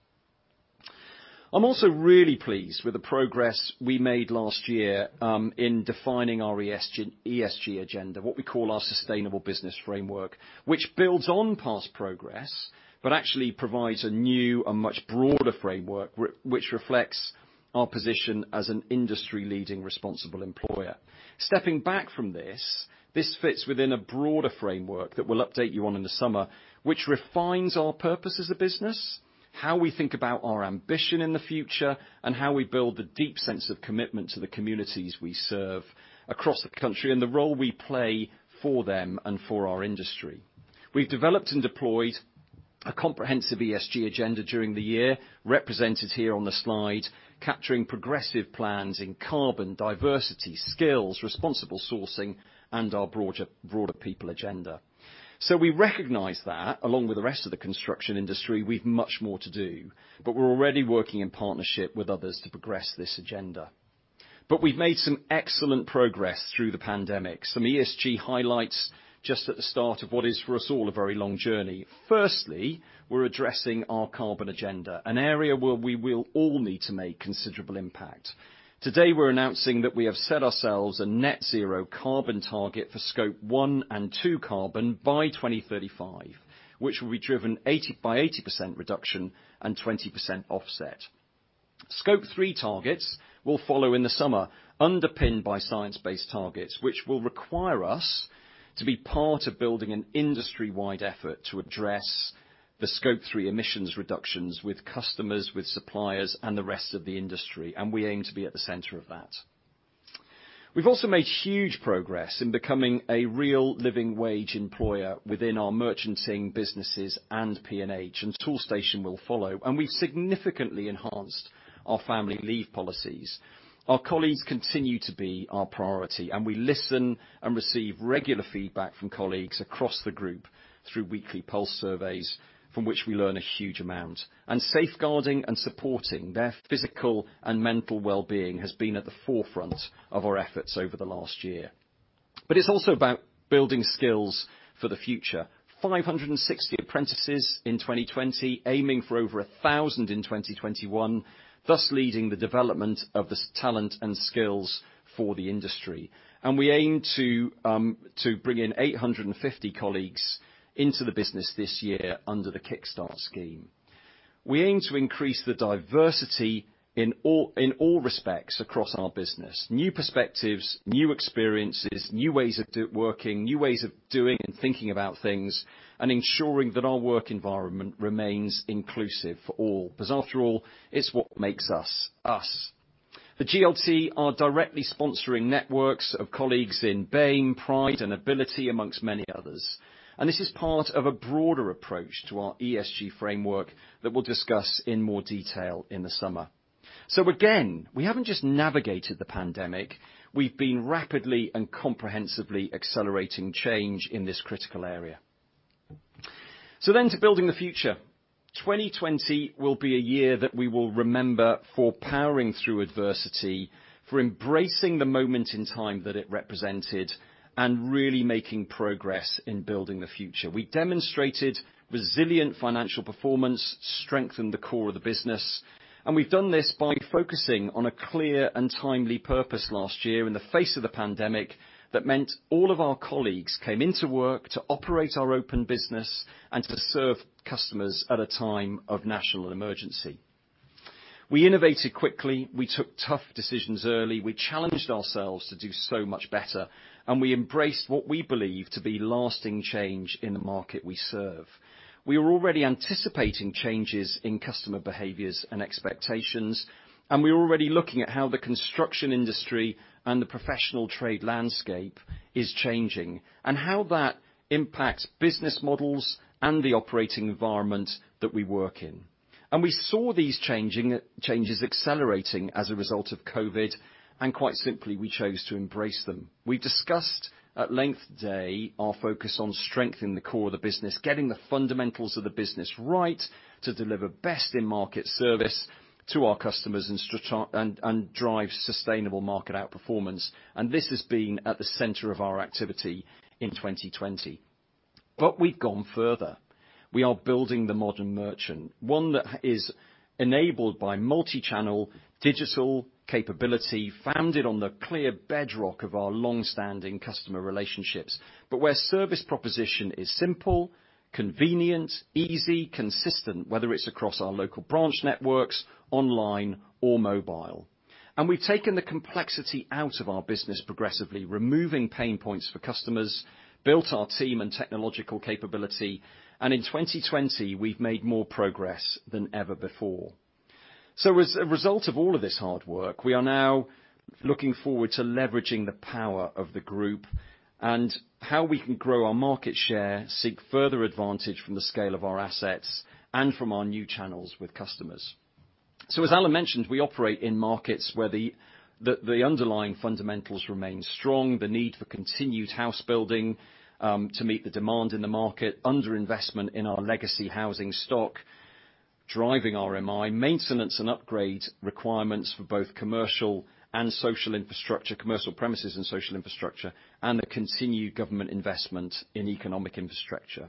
I'm also really pleased with the progress we made last year in defining our ESG agenda, what we call our sustainable business framework, which builds on past progress, but actually provides a new and much broader framework which reflects our position as an industry-leading, responsible employer. Stepping back from this fits within a broader framework that we'll update you on in the summer, which refines our purpose as a business, how we think about our ambition in the future, and how we build the deep sense of commitment to the communities we serve across the country and the role we play for them and for our industry. We've developed and deployed a comprehensive ESG agenda during the year, represented here on the slide, capturing progressive plans in carbon, diversity, skills, responsible sourcing, and our broader people agenda. We recognize that, along with the rest of the construction industry, we've much more to do, but we're already working in partnership with others to progress this agenda. We've made some excellent progress through the pandemic. Some ESG highlights just at the start of what is for us all a very long journey. Firstly, we're addressing our carbon agenda, an area where we will all need to make considerable impact. Today, we're announcing that we have set ourselves a net zero carbon target for Scope 1 and 2 carbon by 2035, which will be driven by 80% reduction and 20% offset. Scope 3 targets will follow in the summer, underpinned by science-based targets, which will require us to be part of building an industry-wide effort to address the Scope 3 emissions reductions with customers, with suppliers, and the rest of the industry. We aim to be at the center of that. We've also made huge progress in becoming a real Living Wage employer within our merchanting businesses and P&H. Toolstation will follow. We've significantly enhanced our family leave policies. Our colleagues continue to be our priority, we listen and receive regular feedback from colleagues across the Group through weekly pulse surveys, from which we learn a huge amount. Safeguarding and supporting their physical and mental well-being has been at the forefront of our efforts over the last year. It's also about building skills for the future. 560 apprentices in 2020, aiming for over 1,000 in 2021, thus leading the development of the talent and skills for the industry. We aim to bring in 850 colleagues into the business this year under the Kickstart Scheme. We aim to increase the diversity in all respects across our business. New perspectives, new experiences, new ways of working, new ways of doing and thinking about things, and ensuring that our work environment remains inclusive for all. After all, it's what makes us us. The GLT are directly sponsoring networks of colleagues in BAME, Pride, and Ability, amongst many others. This is part of a broader approach to our ESG framework that we'll discuss in more detail in the summer. Again, we haven't just navigated the pandemic, we've been rapidly and comprehensively accelerating change in this critical area. To building the future. 2020 will be a year that we will remember for powering through adversity, for embracing the moment in time that it represented, and really making progress in building the future. We demonstrated resilient financial performance, strengthened the core of the business, and we've done this by focusing on a clear and timely purpose last year in the face of the pandemic that meant all of our colleagues came into work to operate our open business and to serve customers at a time of national emergency. We innovated quickly, we took tough decisions early, we challenged ourselves to do so much better, we embraced what we believe to be lasting change in the market we serve. We were already anticipating changes in customer behaviors and expectations, we were already looking at how the construction industry and the professional trade landscape is changing, and how that impacts business models and the operating environment that we work in. We saw these changes accelerating as a result of COVID. Quite simply, we chose to embrace them. We discussed at length today our focus on strengthening the core of the business, getting the fundamentals of the business right to deliver best-in-market service to our customers and drive sustainable market outperformance. This has been at the center of our activity in 2020. We've gone further. We are building the modern merchant, one that is enabled by multi-channel digital capability, founded on the clear bedrock of our longstanding customer relationships, but where service proposition is simple, convenient, easy, consistent, whether it's across our local branch networks, online or mobile. We've taken the complexity out of our business progressively, removing pain points for customers, built our team and technological capability, and in 2020, we've made more progress than ever before. As a result of all of this hard work, we are now looking forward to leveraging the power of the group and how we can grow our market share, seek further advantage from the scale of our assets and from our new channels with customers. As Alan mentioned, we operate in markets where the underlying fundamentals remain strong, the need for continued house building to meet the demand in the market, underinvestment in our legacy housing stock, driving RMI, maintenance and upgrade requirements for both commercial and social infrastructure, commercial premises and social infrastructure, and the continued government investment in economic infrastructure.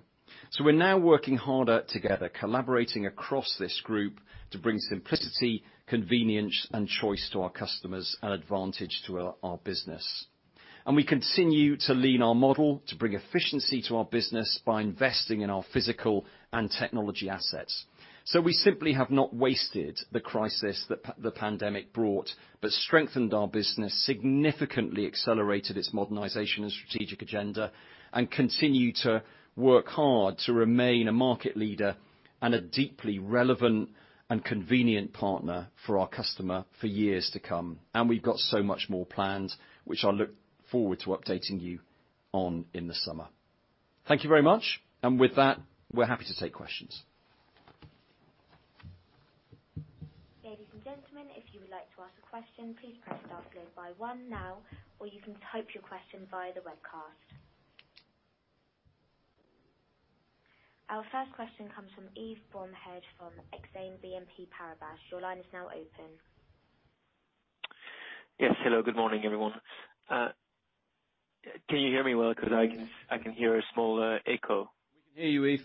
We're now working harder together, collaborating across this group to bring simplicity, convenience, and choice to our customers and advantage to our business. We continue to lean our model to bring efficiency to our business by investing in our physical and technology assets. We simply have not wasted the crisis that the pandemic brought, but strengthened our business, significantly accelerated its modernization and strategic agenda, and continue to work hard to remain a market leader and a deeply relevant and convenient partner for our customer for years to come. We've got so much more planned, which I look forward to updating you on in the summer. Thank you very much. With that, we're happy to take questions. Ladies and gentlemen if you would like to ask a question, please press star followed by one now, or you can type your question via the webcast. Our first question comes from Yves Bromehead from Exane BNP Paribas. Your line is now open. Yes, hello. Good morning, everyone. Can you hear me well? I can hear a small echo. We can hear you, Yves.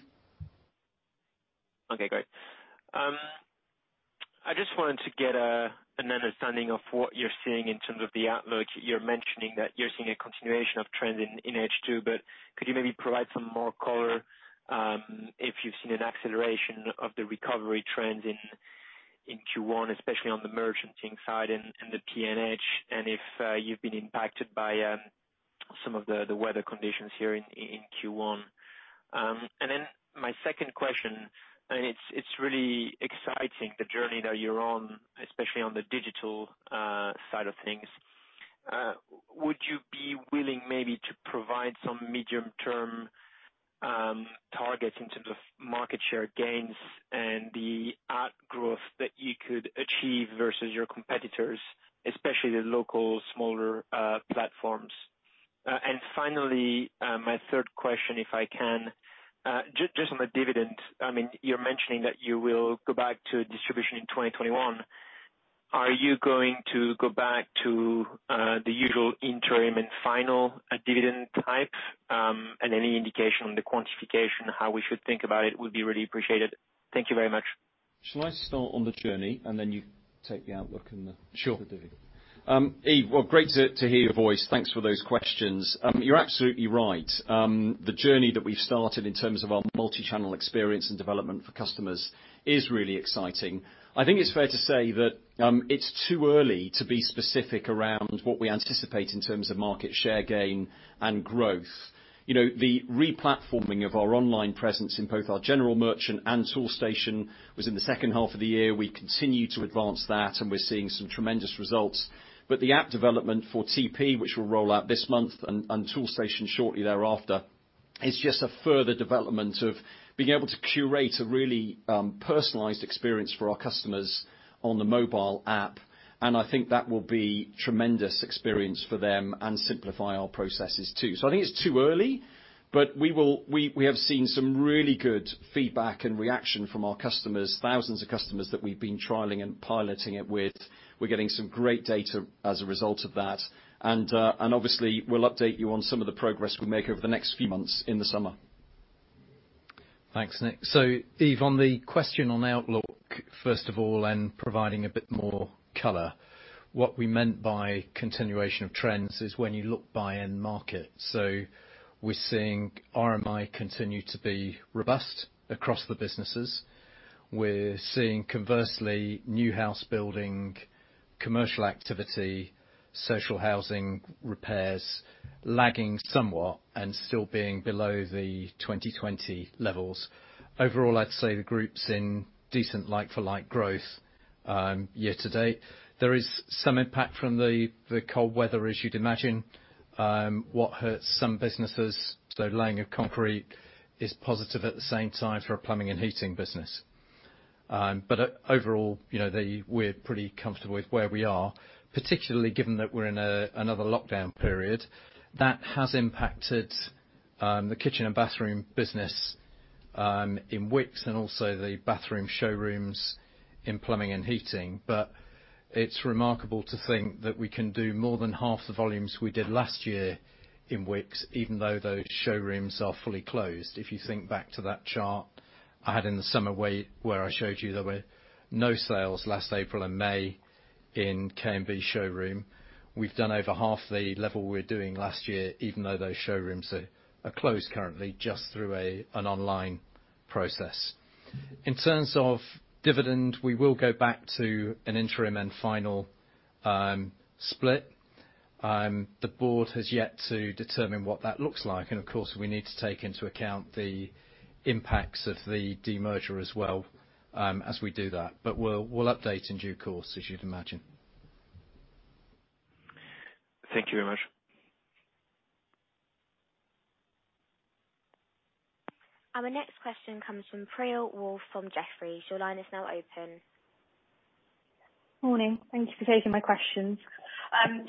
Okay, great. I just wanted to get an understanding of what you're seeing in terms of the outlook. You're mentioning that you're seeing a continuation of trends in H2, but could you maybe provide some more color if you've seen an acceleration of the recovery trends in Q1, especially on the merchanting side and the P&H, and if you've been impacted by some of the weather conditions here in Q1? My second question, and it's really exciting the journey that you're on, especially on the digital side of things. Would you be willing maybe to provide some medium-term targets in terms of market share gains and the outgrowth that you could achieve versus your competitors, especially the local, smaller platforms? Finally, my third question, if I can, just on the dividend. You're mentioning that you will go back to distribution in 2021. Are you going to go back to the usual interim and final dividend types? Any indication on the quantification, how we should think about it would be really appreciated. Thank you very much. Shall I start on the journey, and then you take the outlook and the dividend? Sure. Yves, well, great to hear your voice. Thanks for those questions. You're absolutely right. The journey that we've started in terms of our multi-channel experience and development for customers is really exciting. I think it's fair to say that it's too early to be specific around what we anticipate in terms of market share gain and growth. The re-platforming of our online presence in both our general merchant and Toolstation was in the second half of the year. We continue to advance that, and we're seeing some tremendous results. The app development for TP, which will roll out this month and Toolstation shortly thereafter, is just a further development of being able to curate a really personalized experience for our customers on the mobile app. I think that will be tremendous experience for them and simplify our processes too. I think it's too early, but we have seen some really good feedback and reaction from our customers, thousands of customers that we've been trialing and piloting it with. We're getting some great data as a result of that. Obviously, we'll update you on some of the progress we make over the next few months in the summer. Thanks, Nick. Yves, on the question on outlook, first of all, and providing a bit more color, what we meant by continuation of trends is when you look by end market. We're seeing RMI continue to be robust across the businesses. We're seeing, conversely, new house building, commercial activity, social housing repairs lagging somewhat and still being below the 2020 levels. Overall, I'd say the group's in decent like-for-like growth year to date. There is some impact from the cold weather, as you'd imagine. What hurts some businesses, so laying of concrete is positive at the same time for a plumbing and heating business. Overall, we're pretty comfortable with where we are. Particularly given that we're in another lockdown period. That has impacted the kitchen and bathroom business in Wickes and also the bathroom showrooms in Plumbing & Heating. It's remarkable to think that we can do more than half the volumes we did last year in Wickes, even though those showrooms are fully closed. If you think back to that chart I had in the summer where I showed you there were no sales last April and May in K&B showroom. We've done over half the level we're doing last year, even though those showrooms are closed currently, just through an online process. In terms of dividend, we will go back to an interim and final split. The board has yet to determine what that looks like, and of course, we need to take into account the impacts of the de-merger as well as we do that. We'll update in due course, as you'd imagine. Thank you very much. Our next question comes from Priyal Woolf from Jefferies. Your line is now open. Morning. Thank you for taking my questions.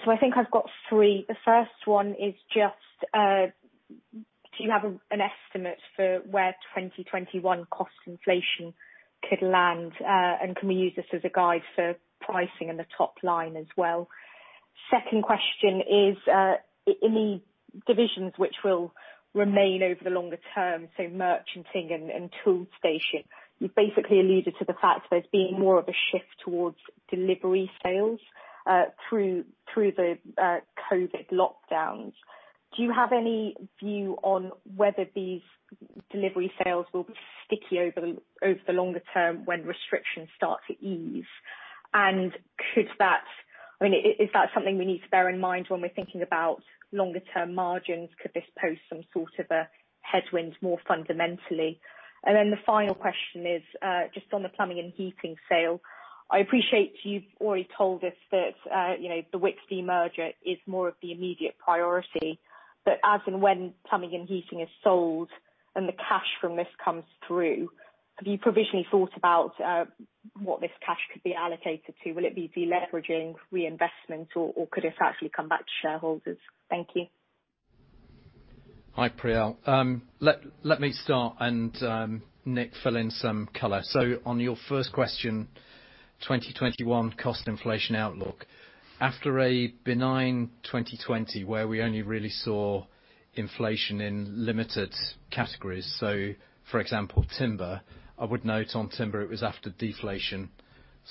I think I've got three. The first one is just, do you have an estimate for where 2021 cost inflation could land? Can we use this as a guide for pricing in the top line as well? Second question is, in the divisions which will remain over the longer term, so merchanting and Toolstation, you've basically alluded to the fact there's been more of a shift towards delivery sales through the COVID lockdowns. Do you have any view on whether these delivery sales will be sticky over the longer term when restrictions start to ease? Is that something we need to bear in mind when we're thinking about longer term margins? Could this pose some sort of a headwind more fundamentally? The final question is, just on the Plumbing & Heating sale. I appreciate you've already told us that the Wickes de-merger is more of the immediate priority. As and when Plumbing and Heating is sold and the cash from this comes through, have you provisionally thought about what this cash could be allocated to? Will it be de-leveraging, reinvestment, or could this actually come back to shareholders? Thank you. Hi, Priyal. Let me start and Nick fill in some color. On your first question, 2021 cost inflation outlook. After a benign 2020 where we only really saw inflation in limited categories, so for example, timber, I would note on timber, it was after deflation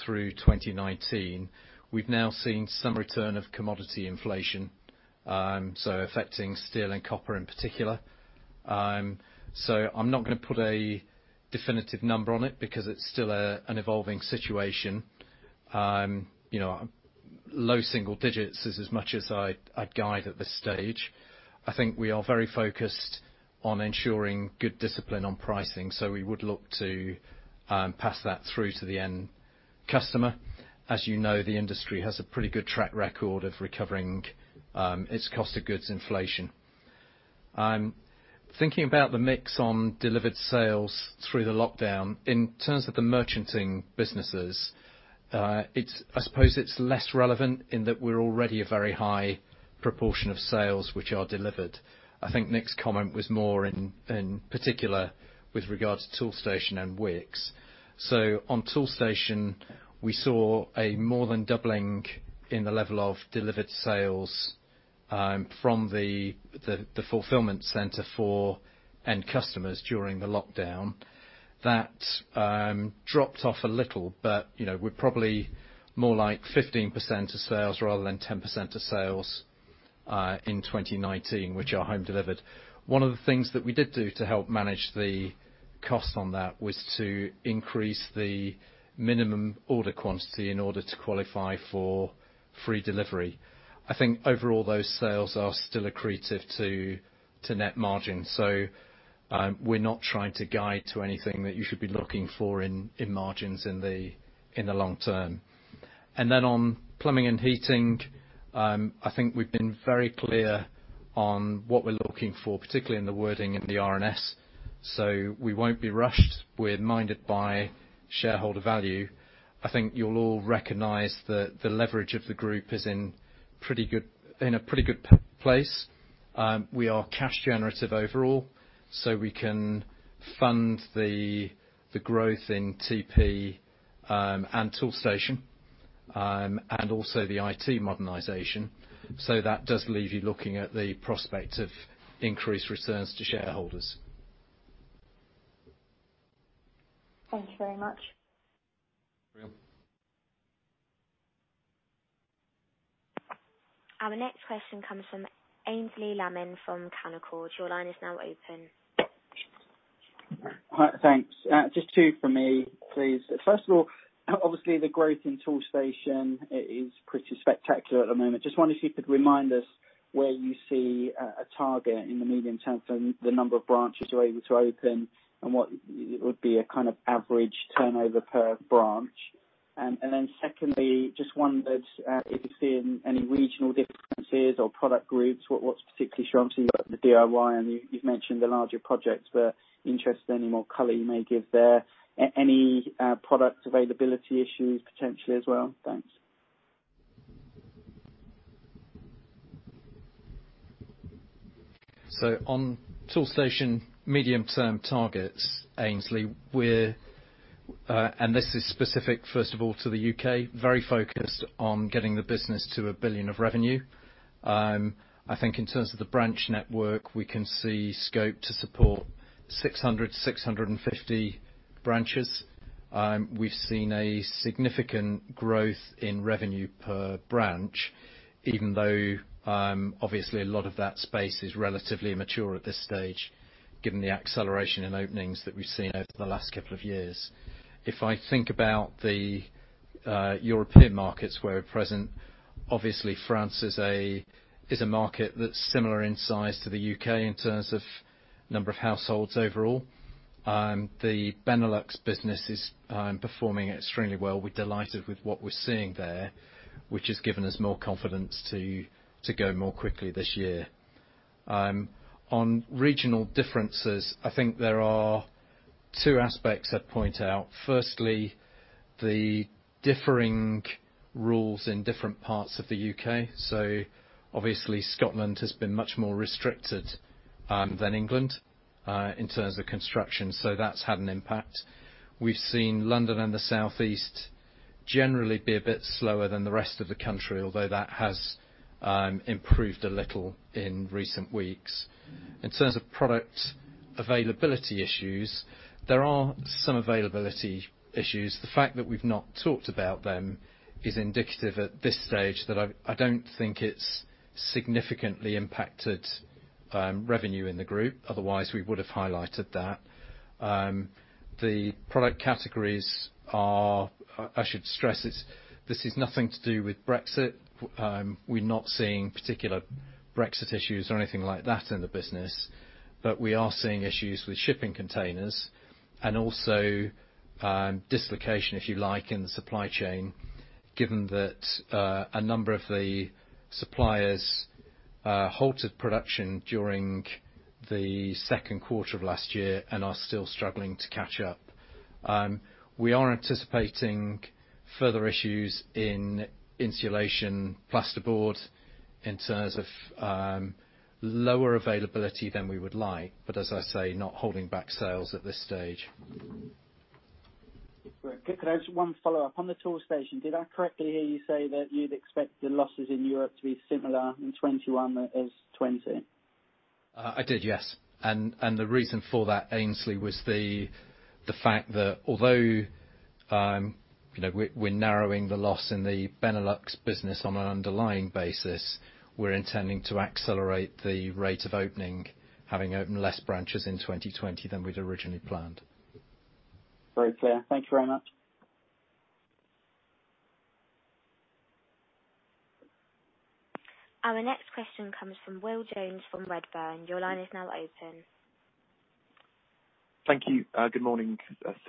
through 2019. We've now seen some return of commodity inflation, so affecting steel and copper in particular. I'm not going to put a definitive number on it because it's still an evolving situation. Low single digits is as much as I'd guide at this stage. I think we are very focused on ensuring good discipline on pricing, so we would look to pass that through to the end customer. As you know, the industry has a pretty good track record of recovering its cost of goods inflation. Thinking about the mix on delivered sales through the lockdown, in terms of the merchanting businesses, I suppose it is less relevant in that we are already a very high proportion of sales which are delivered. I think Nick's comment was more in particular with regard to Toolstation and Wickes. On Toolstation, we saw a more than doubling in the level of delivered sales from the fulfillment center for end customers during the lockdown. That dropped off a little, but we are probably more like 15% of sales rather than 10% of sales in 2019, which are home delivered. One of the things that we did do to help manage the cost on that was to increase the minimum order quantity in order to qualify for free delivery. I think overall, those sales are still accretive to net margin. We're not trying to guide to anything that you should be looking for in margins in the long term. Then on Plumbing & Heating, I think we've been very clear on what we're looking for, particularly in the wording in the RNS. We won't be rushed. We're minded by shareholder value. I think you'll all recognize that the leverage of the group is in a pretty good place. We are cash generative overall, so we can fund the growth in TP and Toolstation, and also the IT modernization. That does leave you looking at the prospect of increased returns to shareholders. Thank you very much. Yeah. Our next question comes from Aynsley Lammin from Canaccord. Your line is now open. Hi, thanks. Just two from me, please. First of all, obviously the growth in Toolstation is pretty spectacular at the moment. Just wondered if you could remind us where you see a target in the medium term for the number of branches you're able to open and what would be a kind of average turnover per branch? Secondly, just wondered if you've seen any regional differences or product groups, what's particularly strong. You've got the DIY and you've mentioned the larger projects, interested any more color you may give there. Any product availability issues potentially as well? Thanks. On Toolstation medium term targets, Aynsley, and this is specific first of all to the U.K., very focused on getting the business to 1 billion of revenue. I think in terms of the branch network, we can see scope to support 600-650 branches. We've seen a significant growth in revenue per branch, even though obviously a lot of that space is relatively mature at this stage, given the acceleration in openings that we've seen over the last couple of years. If I think about the European markets where at present, obviously France is a market that's similar in size to the U.K. in terms of number of households overall. The Benelux business is performing extremely well. We're delighted with what we're seeing there, which has given us more confidence to go more quickly this year. On regional differences, I think there are two aspects I'd point out. Firstly, the differing rules in different parts of the U.K. Obviously Scotland has been much more restricted than England, in terms of construction. That's had an impact. We've seen London and the Southeast generally be a bit slower than the rest of the country, although that has improved a little in recent weeks. In terms of product availability issues, there are some availability issues. The fact that we've not talked about them is indicative at this stage that I don't think it's significantly impacted revenue in the group, otherwise we would have highlighted that. The product categories are, I should stress, this is nothing to do with Brexit. We're not seeing particular Brexit issues or anything like that in the business. We are seeing issues with shipping containers and also dislocation, if you like, in the supply chain, given that a number of the suppliers halted production during the second quarter of last year and are still struggling to catch up. We are anticipating further issues in insulation plasterboard in terms of lower availability than we would like, as I say, not holding back sales at this stage. Great. Could I have one follow-up? On the Toolstation, did I correctly hear you say that you'd expect the losses in Europe to be similar in 2021 as 2020? I did, yes. The reason for that, Aynsley, was the fact that although we're narrowing the loss in the Benelux business on an underlying basis, we're intending to accelerate the rate of opening, having opened less branches in 2020 than we'd originally planned. Very clear. Thank you very much. Our next question comes from Will Jones from Redburn. Your line is now open. Thank you. Good morning.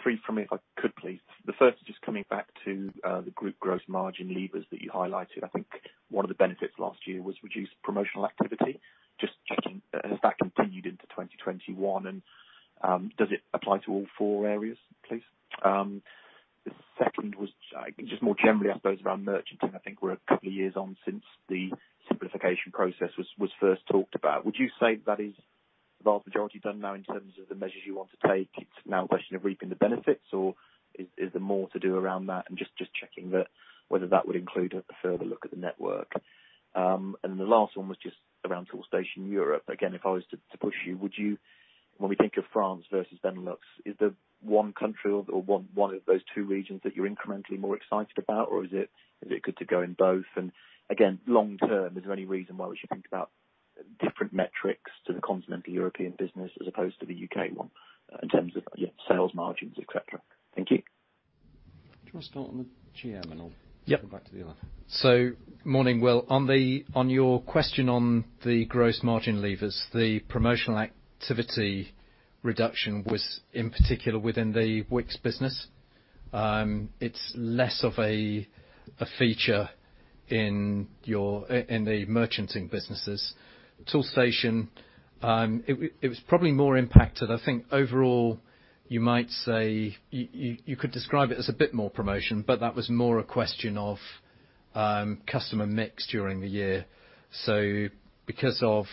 Three from me, if I could please. The first is just coming back to the group growth margin levers that you highlighted. I think one of the benefits last year was reduced promotional activity. Just checking, has that continued into 2021, and does it apply to all four areas, please? The second was just more generally, I suppose, around merchant, and I think we're a couple of years on since the simplification process was first talked about. Would you say that is the vast majority done now in terms of the measures you want to take? It's now a question of reaping the benefits, or is there more to do around that? Just checking whether that would include a further look at the network. The last one was just around Toolstation in Europe. If I was to push you, when we think of France versus Benelux, is there one country or one of those two regions that you're incrementally more excited about, or is it good to go in both? Again, long term, is there any reason why we should think about different metrics to the continental European business as opposed to the U.K. one in terms of sales margins, et cetera? Thank you. Do you want to start on the GM and I'll - Yep. Come back to the other. Morning, Will. On your question on the gross margin levers, the promotional activity reduction was in particular within the Wickes business. It is less of a feature in the merchanting businesses. Toolstation, it was probably more impacted. I think overall, you could describe it as a bit more promotion, but that was more a question of customer mix during the year. Because of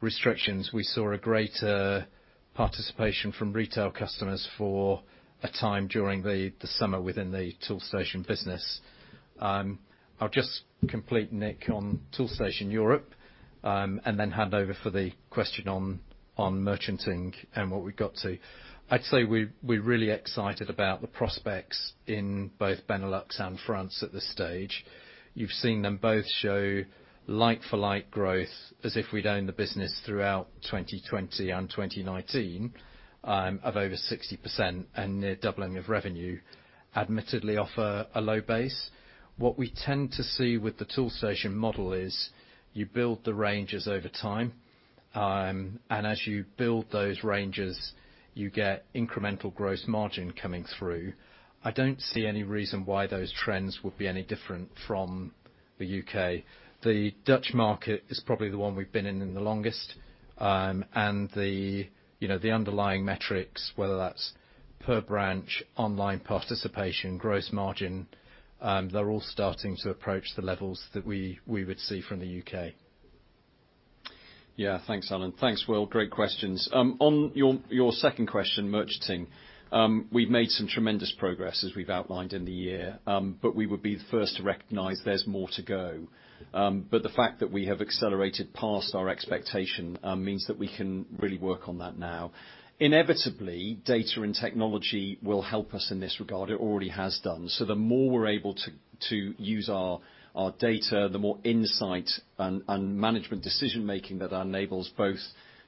restrictions, we saw a greater participation from retail customers for a time during the summer within the Toolstation business. I will just complete Nick on Toolstation Europe, and then hand over for the question on merchanting. I would say we are really excited about the prospects in both Benelux and France at this stage. You've seen them both show like-for-like growth as if we'd owned the business throughout 2020 and 2019, of over 60% and near doubling of revenue, admittedly off a low base. What we tend to see with the Toolstation model is you build the ranges over time, as you build those ranges, you get incremental gross margin coming through. I don't see any reason why those trends would be any different from the U.K. The Dutch market is probably the one we've been in the longest. The underlying metrics, whether that's per branch, online participation, gross margin, they're all starting to approach the levels that we would see from the U.K. Yeah. Thanks, Alan. Thanks, Will. Great questions. On your second question, merchanting. We've made some tremendous progress, as we've outlined in the year. We would be the first to recognize there's more to go. The fact that we have accelerated past our expectation means that we can really work on that now. Inevitably, data and technology will help us in this regard. It already has done. The more we're able to use our data, the more insight and management decision-making that enables both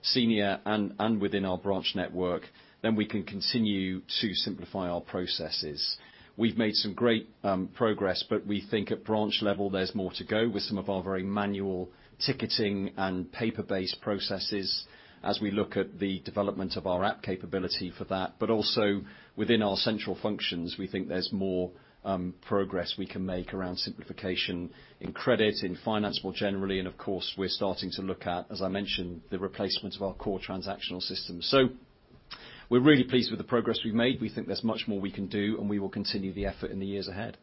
senior and within our branch network, then we can continue to simplify our processes. We've made some great progress, but we think at branch level, there's more to go with some of our very manual ticketing and paper-based processes as we look at the development of our app capability for that. Also within our central functions, we think there's more progress we can make around simplification in credit, in finance more generally, and of course, we're starting to look at, as I mentioned, the replacement of our core transactional system. We're really pleased with the progress we've made. We think there's much more we can do, and we will continue the effort in the years ahead.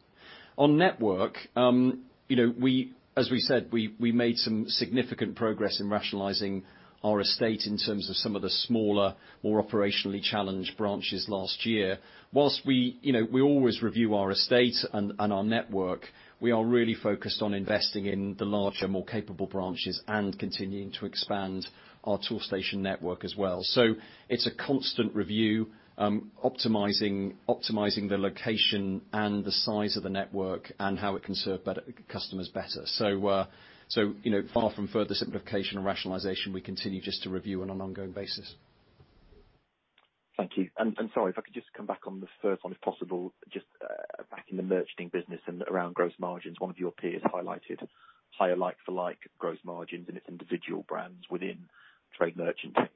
On network, as we said, we made some significant progress in rationalizing our estate in terms of some of the smaller, more operationally challenged branches last year. Whilst we always review our estate and our network, we are really focused on investing in the larger, more capable branches and continuing to expand our Toolstation network as well. It's a constant review, optimizing the location and the size of the network and how it can serve customers better. Far from further simplification and rationalization, we continue just to review on an ongoing basis. Thank you. Sorry, if I could just come back on the first one, if possible, just back in the merchanting business and around gross margins. One of your peers highlighted higher like-for-like gross margins in its individual brands within trade merchanting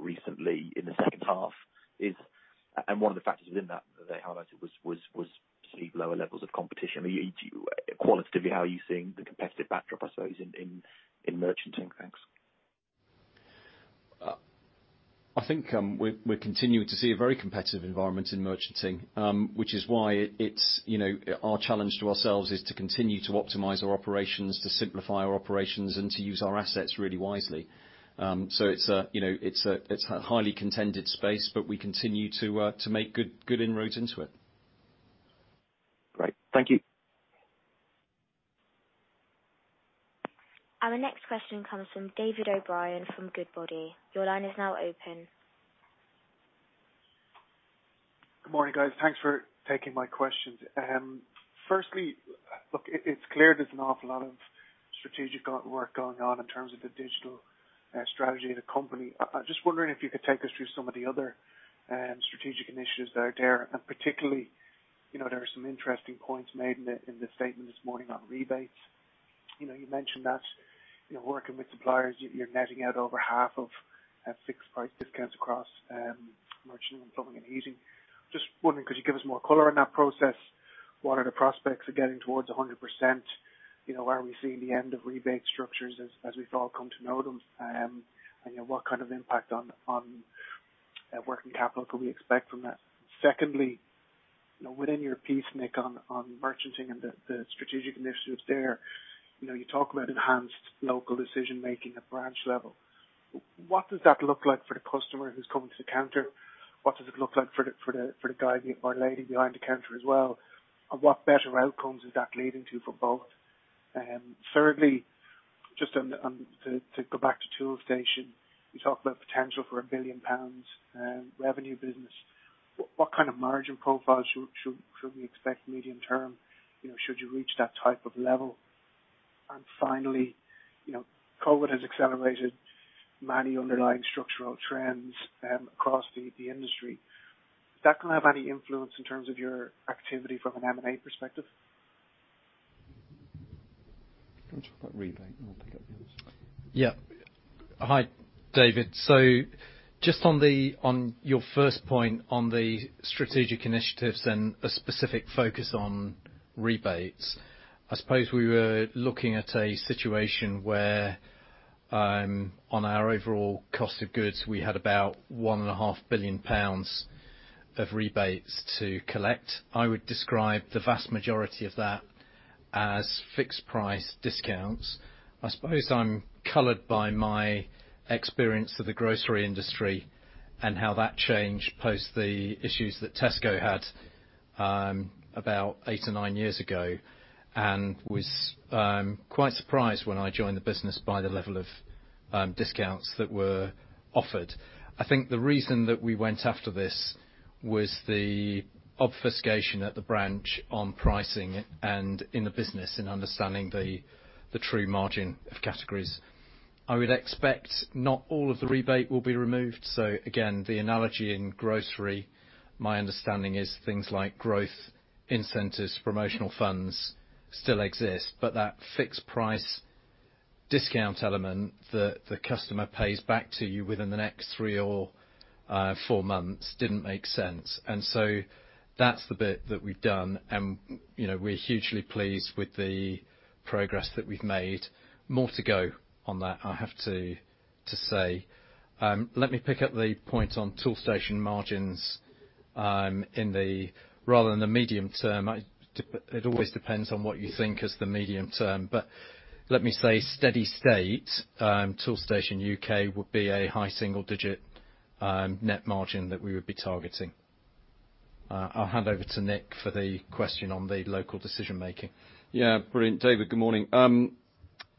recently in the second half. One of the factors within that they highlighted was slightly lower levels of competition. Qualitatively, how are you seeing the competitive backdrop, I suppose, in merchanting? Thanks. I think we're continuing to see a very competitive environment in merchanting, which is why our challenge to ourselves is to continue to optimize our operations, to simplify our operations, and to use our assets really wisely. It's a highly contended space, but we continue to make good inroads into it. Great. Thank you. Our next question comes from David O'Brien from Goodbody. Your line is now open. Good morning, guys. Thanks for taking my questions. Firstly, look, it's clear there's an awful lot of strategic work going on in terms of the digital strategy of the company. I'm just wondering if you could take us through some of the other strategic initiatives that are there. Particularly, there are some interesting points made in the statement this morning on rebates. You mentioned that you're working with suppliers, you're netting out over half of fixed price discounts across merchant and Plumbing & Heating. Just wondering, could you give us more color on that process? What are the prospects of getting towards 100%? Are we seeing the end of rebate structures as we've all come to know them? What kind of impact on working capital can we expect from that? Within your piece, Nick, on merchanting and the strategic initiatives there, you talk about enhanced local decision-making at branch level. What does that look like for the customer who's coming to the counter? What does it look like for the guy or lady behind the counter as well? What better outcomes is that leading to for both? Just to go back to Toolstation, you talk about potential for a 1 billion pounds revenue business. What kind of margin profile should we expect medium term should you reach that type of level? Finally, COVID has accelerated many underlying structural trends across the industry. Is that going to have any influence in terms of your activity from an M&A perspective? Do you want to talk about rebate, and I'll pick up the others? Yeah, hi, David. Just on your first point on the strategic initiatives and a specific focus on rebates, I suppose we were looking at a situation where on our overall cost of goods, we had about 1.5 billion pounds of rebates to collect. I would describe the vast majority of that as fixed price discounts. I suppose I'm colored by my experience of the grocery industry and how that changed post the issues that Tesco had about eight or nine years ago, and was quite surprised when I joined the business by the level of discounts that were offered. I think the reason that we went after this was the obfuscation at the branch on pricing and in the business in understanding the true margin of categories. I would expect not all of the rebate will be removed. Again, the analogy in grocery, my understanding is things like growth incentives, promotional funds still exist. That fixed price discount element that the customer pays back to you within the next 3 or 4 months didn't make sense. That's the bit that we've done. We're hugely pleased with the progress that we've made. More to go on that, I have to say. Let me pick up the point on Toolstation margins, rather than the medium term, it always depends on what you think is the medium term. Let me say steady state, Toolstation U.K. would be a high single-digit net margin that we would be targeting. I'll hand over to Nick for the question on the local decision-making. Yeah, brilliant. David, good morning.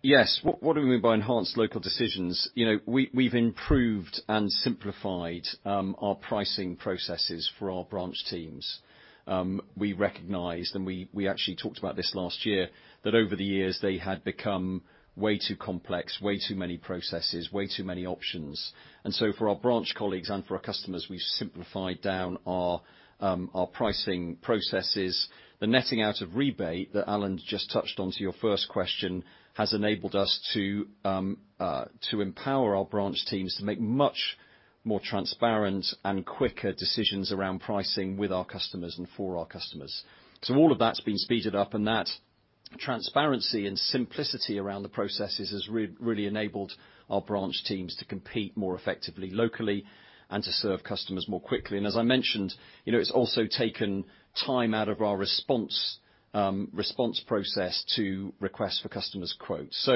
Yes. What do we mean by enhanced local decisions? We've improved and simplified our pricing processes for our branch teams. We recognized, and we actually talked about this last year, that over the years they had become way too complex, way too many processes, way too many options. For our branch colleagues and for our customers, we've simplified down our pricing processes. The netting out of rebate that Alan just touched on to your first question, has enabled us to empower our branch teams to make much more transparent and quicker decisions around pricing with our customers and for our customers. All of that's been speeded up, and that transparency and simplicity around the processes has really enabled our branch teams to compete more effectively locally and to serve customers more quickly. As I mentioned, it's also taken time out of our response process to request for customers' quotes.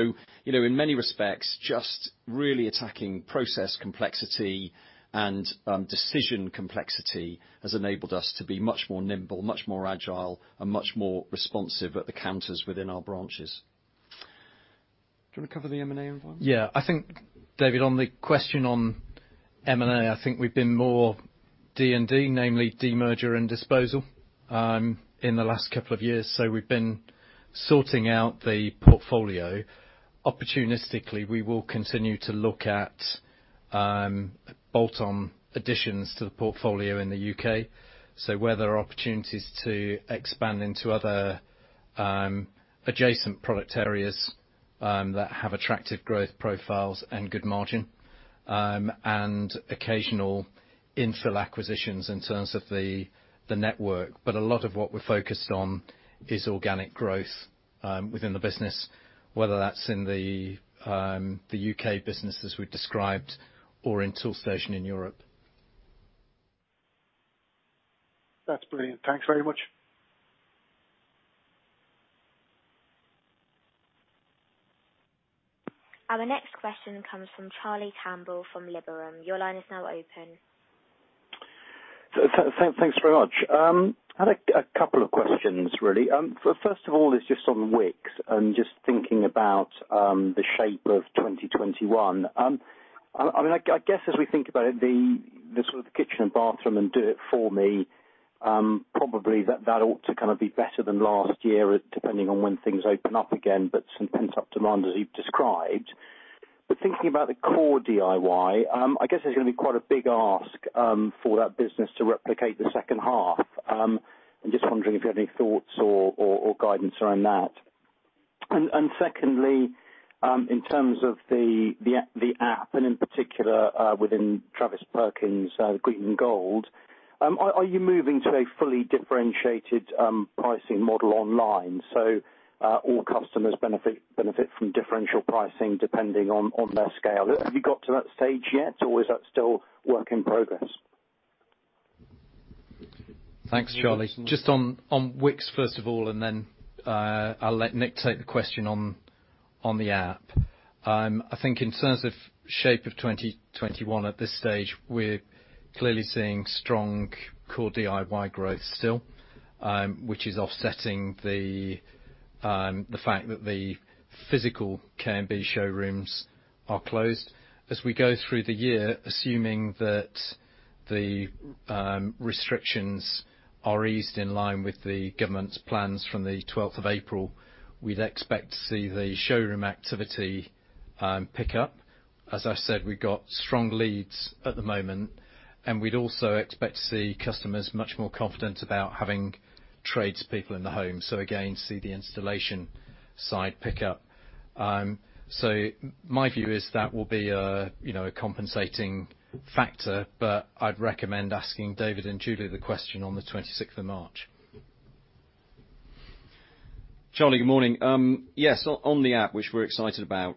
In many respects, just really attacking process complexity and decision complexity has enabled us to be much more nimble, much more agile, and much more responsive at the counters within our branches. Do you want to cover the M&A as well? Yeah. I think, David, on the question on M&A, I think we've been more D&D, namely demerger and disposal, in the last couple of years. We've been sorting out the portfolio. Opportunistically, we will continue to look at bolt-on additions to the portfolio in the U.K. Where there are opportunities to expand into other adjacent product areas that have attractive growth profiles and good margin, and occasional infill acquisitions in terms of the network. A lot of what we're focused on is organic growth within the business, whether that's in the U.K. business as we described, or in Toolstation Europe. That's brilliant. Thanks very much. Our next question comes from Charlie Campbell from Liberum. Your line is now open. Thanks very much. I had a couple of questions, really. First of all, is just on Wickes and just thinking about the shape of 2021. I guess as we think about it, the sort of kitchen and bathroom and do it for me, probably that ought to be better than last year, depending on when things open up again, but some pent-up demand as you've described. Thinking about the core DIY, I guess it's going to be quite a big ask for that business to replicate the second half. I'm just wondering if you have any thoughts or guidance around that. Secondly, in terms of the app and in particular within Travis Perkins Green and Gold, are you moving to a fully differentiated pricing model online? All customers benefit from differential pricing depending on their scale. Have you got to that stage yet, or is that still work in progress? Thanks, Charlie. Just on Wickes, first of all, and then I'll let Nick take the question on the app. I think in terms of shape of 2021, at this stage, we're clearly seeing strong core DIY growth still, which is offsetting the fact that the physical K&B showrooms are closed. As we go through the year, assuming that the restrictions are eased in line with the government's plans from the 12th of April, we'd expect to see the showroom activity pick up. As I said, we got strong leads at the moment, and we'd also expect to see customers much more confident about having tradespeople in the home. Again, see the installation side pick up. My view is that will be a compensating factor, but I'd recommend asking David and Julie the question on the 26th of March. Charlie, good morning. Yes, on the app, which we're excited about.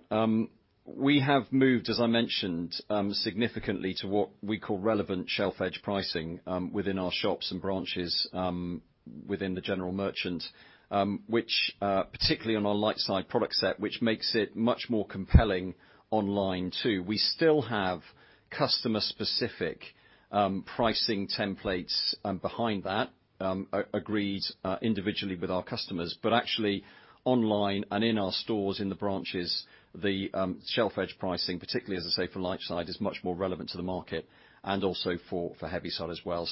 We have moved, as I mentioned, significantly to what we call relevant shelf-edge pricing within our shops and branches within the general merchant, which particularly on our light side product set, which makes it much more compelling online too. We still have customer-specific pricing templates behind that, agreed individually with our customers. Actually, online and in our stores in the branches, the shelf-edge pricing, particularly, as I say, for light side, is much more relevant to the market and also for heavy side as well.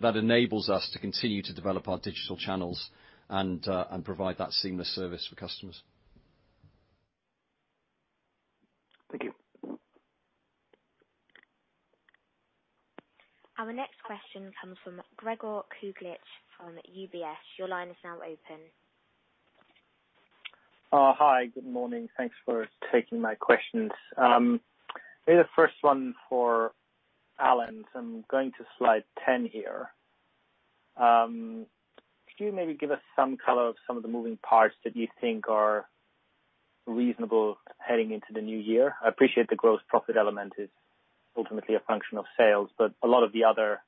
That enables us to continue to develop our digital channels and provide that seamless service for customers. Thank you. Our next question comes from Gregor Kuglitsch from UBS. Your line is now open. Hi. Good morning. Thanks for taking my questions. Maybe the first one for Alan, I'm going to slide 10 here. Could you maybe give us some color of some of the moving parts that you think are reasonable heading into the new year? I appreciate the gross profit element is ultimately a function of sales, but a lot of the other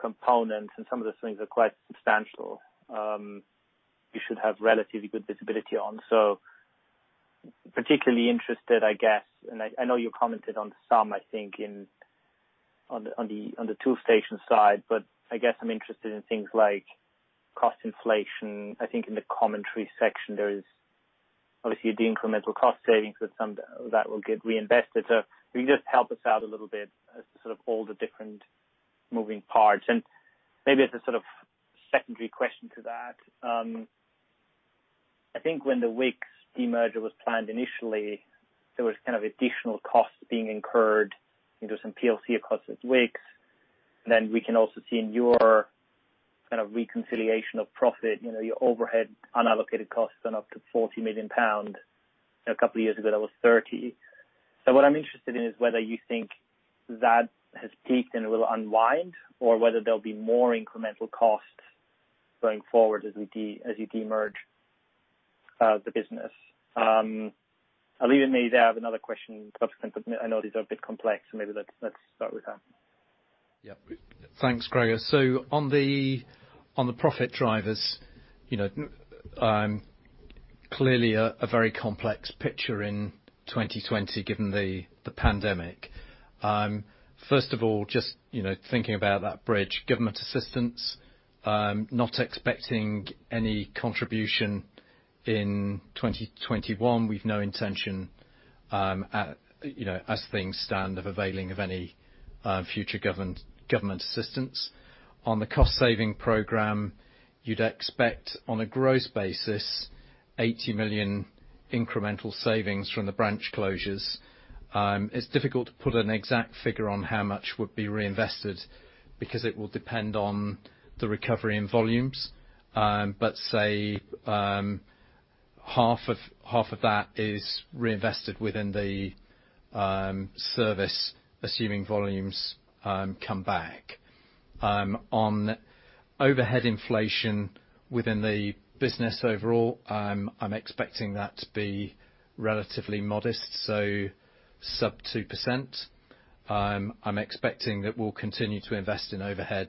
components and some of the things are quite substantial. You should have relatively good visibility on, so particularly interested, I guess, and I know you commented on some, I think, on the Toolstation side, but I guess I'm interested in things like cost inflation. I think in the commentary section, there is obviously the incremental cost savings that some of that will get reinvested. Can you just help us out a little bit as to sort of all the different moving parts? Maybe as a sort of secondary question to that, I think when the Wickes demerger was planned initially, there was kind of additional costs being incurred into some PLC across its Wickes. Then we can also see in your kind of reconciliation of profit, your overhead unallocated costs went up to 40 million pound. A couple of years ago, that was 30 million. What I'm interested in is whether you think that has peaked and it will unwind or whether there'll be more incremental costs going forward as you demerge the business. I'll leave it maybe to have another question subsequent, but I know these are a bit complex, so maybe let's start with that. Thanks, Gregor. On the profit drivers, clearly a very complex picture in 2020 given the pandemic. First of all, just thinking about that bridge, government assistance, not expecting any contribution in 2021. We've no intention, as things stand, of availing of any future government assistance. On the cost-saving program, you'd expect on a gross basis, 80 million incremental savings from the branch closures. It's difficult to put an exact figure on how much would be reinvested because it will depend on the recovery in volumes. Say half of that is reinvested within the service, assuming volumes come back. On overhead inflation within the business overall, I'm expecting that to be relatively modest, so sub 2%. I'm expecting that we'll continue to invest in overhead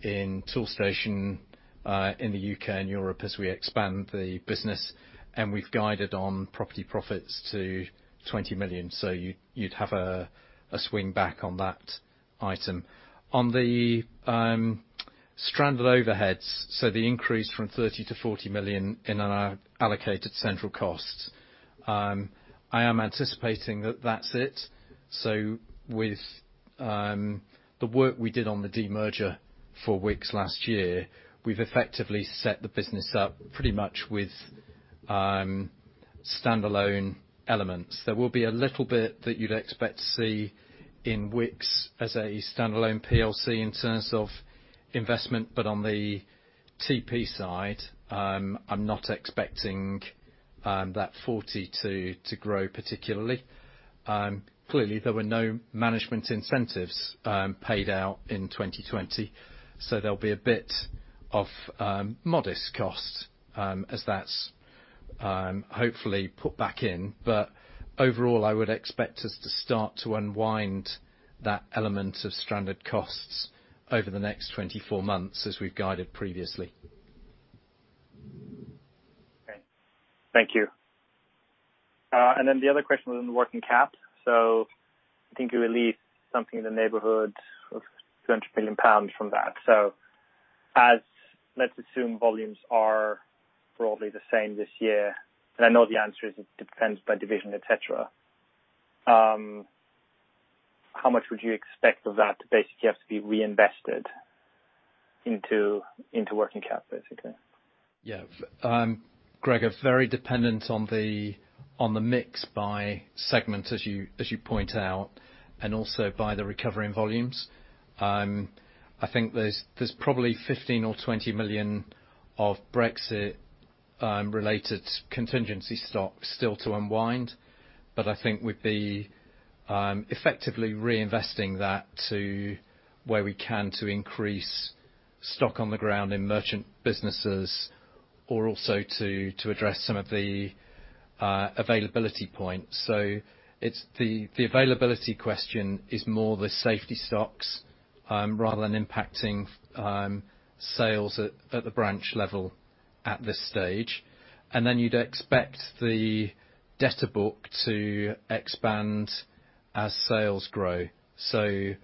in Toolstation in the U.K. and Europe as we expand the business, and we've guided on property profits to 20 million. You'd have a swing back on that item. On the stranded overheads, the increase from 30 million to 40 million in our allocated central costs, I am anticipating that that's it. With the work we did on the demerger for Wickes last year, we've effectively set the business up pretty much with standalone elements. There will be a little bit that you'd expect to see in Wickes as a standalone PLC in terms of investment. On the TP side, I'm not expecting that 40 to grow particularly. Clearly, there were no management incentives paid out in 2020, there'll be a bit of modest cost as that's hopefully put back in. Overall, I would expect us to start to unwind that element of stranded costs over the next 24 months as we've guided previously. Okay. Thank you. The other question was on the working cap. I think you released something in the neighborhood of 200 million pounds from that. As let's assume volumes are broadly the same this year, and I know the answer is it depends by division, et cetera, how much would you expect of that to basically have to be reinvested into working cap, basically? Yeah. Gregor, very dependent on the mix by segment, as you point out, and also by the recovery in volumes. I think there's probably 15 million or 20 million of Brexit-related contingency stock still to unwind, but I think we'd be effectively reinvesting that to where we can. Stock on the ground in merchant businesses or also to address some of the availability points. The availability question is more the safety stocks, rather than impacting sales at the branch level at this stage. Then you'd expect the debtor book to expand as sales grow. I'd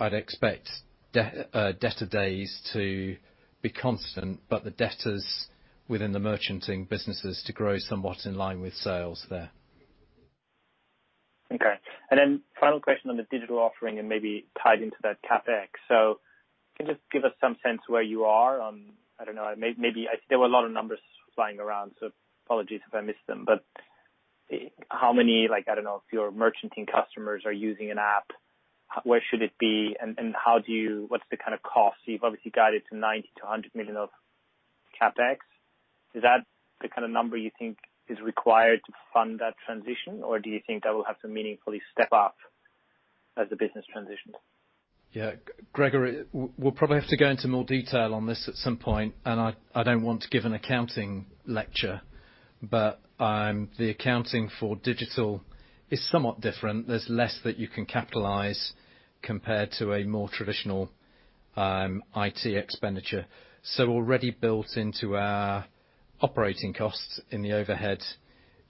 expect debtor days to be constant, but the debtors within the merchanting businesses to grow somewhat in line with sales there. Okay. Final question on the digital offering and maybe tied into that CapEx. Can you just give us some sense where you are on, I don't know, maybe there were a lot of numbers flying around, so apologies if I missed them. How many, I don't know, of your merchanting customers are using an app? Where should it be? What's the kind of cost? You've obviously guided to 90 million to 100 million of CapEx. Is that the kind of number you think is required to fund that transition, or do you think that will have to meaningfully step up as the business transitions? Gregor, we'll probably have to go into more detail on this at some point, I don't want to give an accounting lecture. The accounting for digital is somewhat different. There's less that you can capitalize compared to a more traditional IT expenditure. Already built into our operating costs in the overhead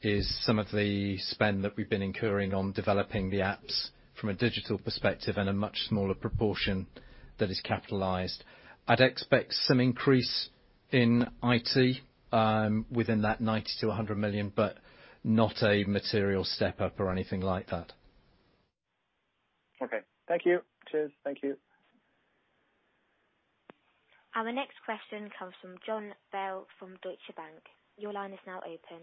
is some of the spend that we've been incurring on developing the apps from a digital perspective and a much smaller proportion that is capitalized. I'd expect some increase in IT within that 90 million-100 million, but not a material step-up or anything like that. Okay. Thank you. Cheers. Thank you. Our next question comes from Jon Bell from Deutsche Bank. Your line is now open.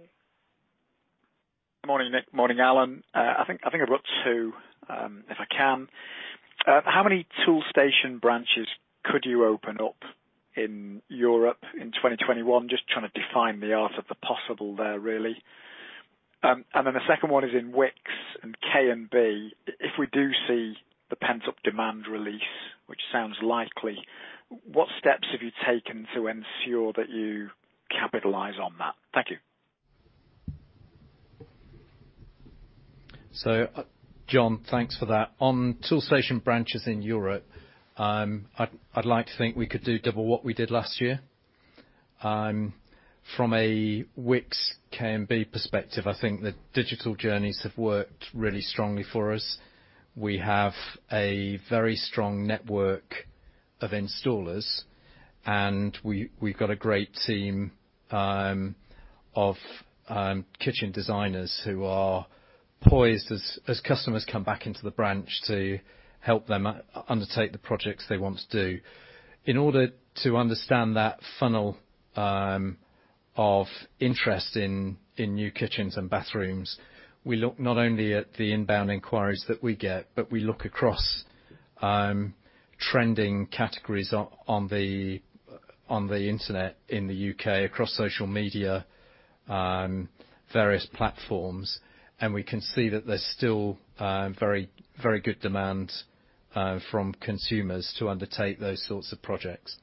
Morning, Nick. Morning, Alan. I think I've got two, if I can. How many Toolstation branches could you open up in Europe in 2021? Just trying to define the art of the possible there, really. The second one is in Wickes and K&B, if we do see the pent-up demand release, which sounds likely, what steps have you taken to ensure that you capitalize on that? Thank you. Jon, thanks for that. On Toolstation branches in Europe, I'd like to think we could do double what we did last year. From a Wickes K&B perspective, I think the digital journeys have worked really strongly for us. We have a very strong network of installers, and we've got a great team of kitchen designers who are poised, as customers come back into the branch, to help them undertake the projects they want to do. In order to understand that funnel of interest in new kitchens and bathrooms, we look not only at the inbound inquiries that we get, but we look across trending categories on the internet in the U.K., across social media, various platforms, and we can see that there's still very good demand from consumers to undertake those sorts of projects.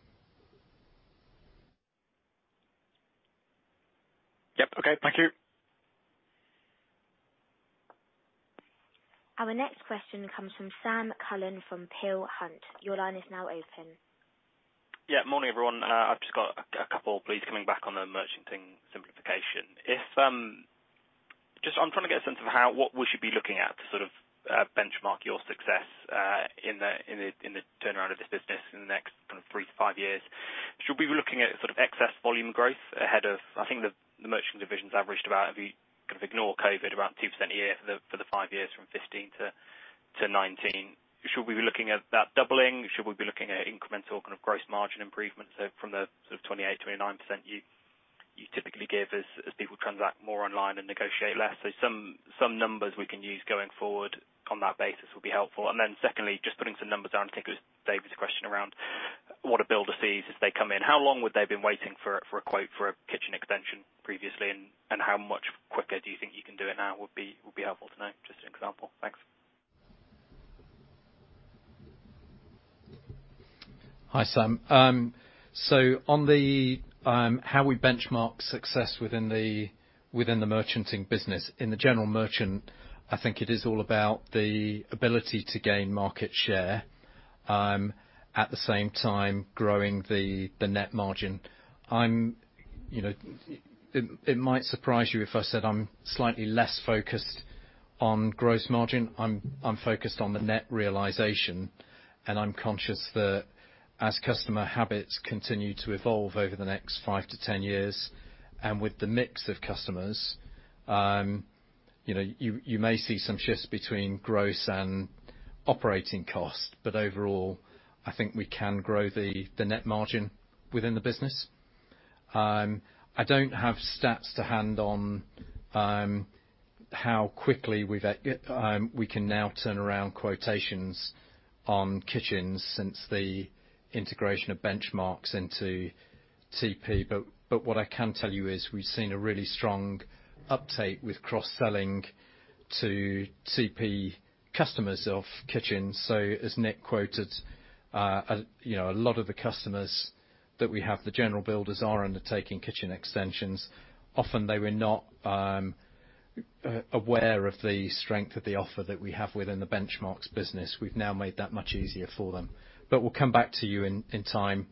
Yep. Okay. Thank you. Our next question comes from Sam Cullen from Peel Hunt. Morning, everyone. I've just got a couple, please, coming back on the merchanting simplification. I'm trying to get a sense of what we should be looking at to sort of benchmark your success in the turnaround of this business in the next kind of three to five years. Should we be looking at sort of excess volume growth ahead of, I think the merchant division's averaged about, if you kind of ignore COVID, about 2% a year for the five years from 2015 to 2019. Should we be looking at that doubling? Should we be looking at incremental kind of gross margin improvements from the sort of 28%-29% you typically give as people transact more online and negotiate less? Some numbers we can use going forward on that basis would be helpful. Secondly, just putting some numbers down, I think it was David's question around what a builder sees if they come in. How long would they have been waiting for a quote for a kitchen extension previously, and how much quicker do you think you can do it now would be helpful to know? Just an example. Thanks. Hi, Sam. On the how we benchmark success within the merchanting business. In the general merchant, I think it is all about the ability to gain market share, at the same time growing the net margin. It might surprise you if I said I'm slightly less focused on gross margin. I'm focused on the net realization, and I'm conscious that as customer habits continue to evolve over the next five to 10 years, and with the mix of customers you may see some shifts between gross and operating cost. Overall, I think we can grow the net margin within the business. I don't have stats to hand on how quickly we can now turn around quotations on kitchens since the integration of Benchmarx into TP. What I can tell you is we've seen a really strong uptake with cross-selling to TP customers of kitchens. As Nick quoted, a lot of the customers that we have, the general builders are undertaking kitchen extensions. Often they were not aware of the strength of the offer that we have within the Benchmarx business. We've now made that much easier for them. We'll come back to you in time,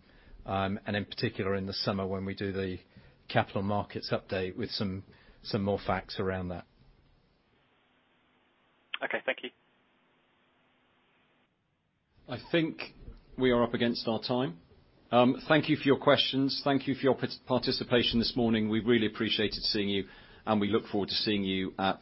and in particular, in the summer when we do the capital markets update with some more facts around that. Okay. Thank you. I think we are up against our time. Thank you for your questions. Thank you for your participation this morning. We really appreciated seeing you, we look forward to seeing you.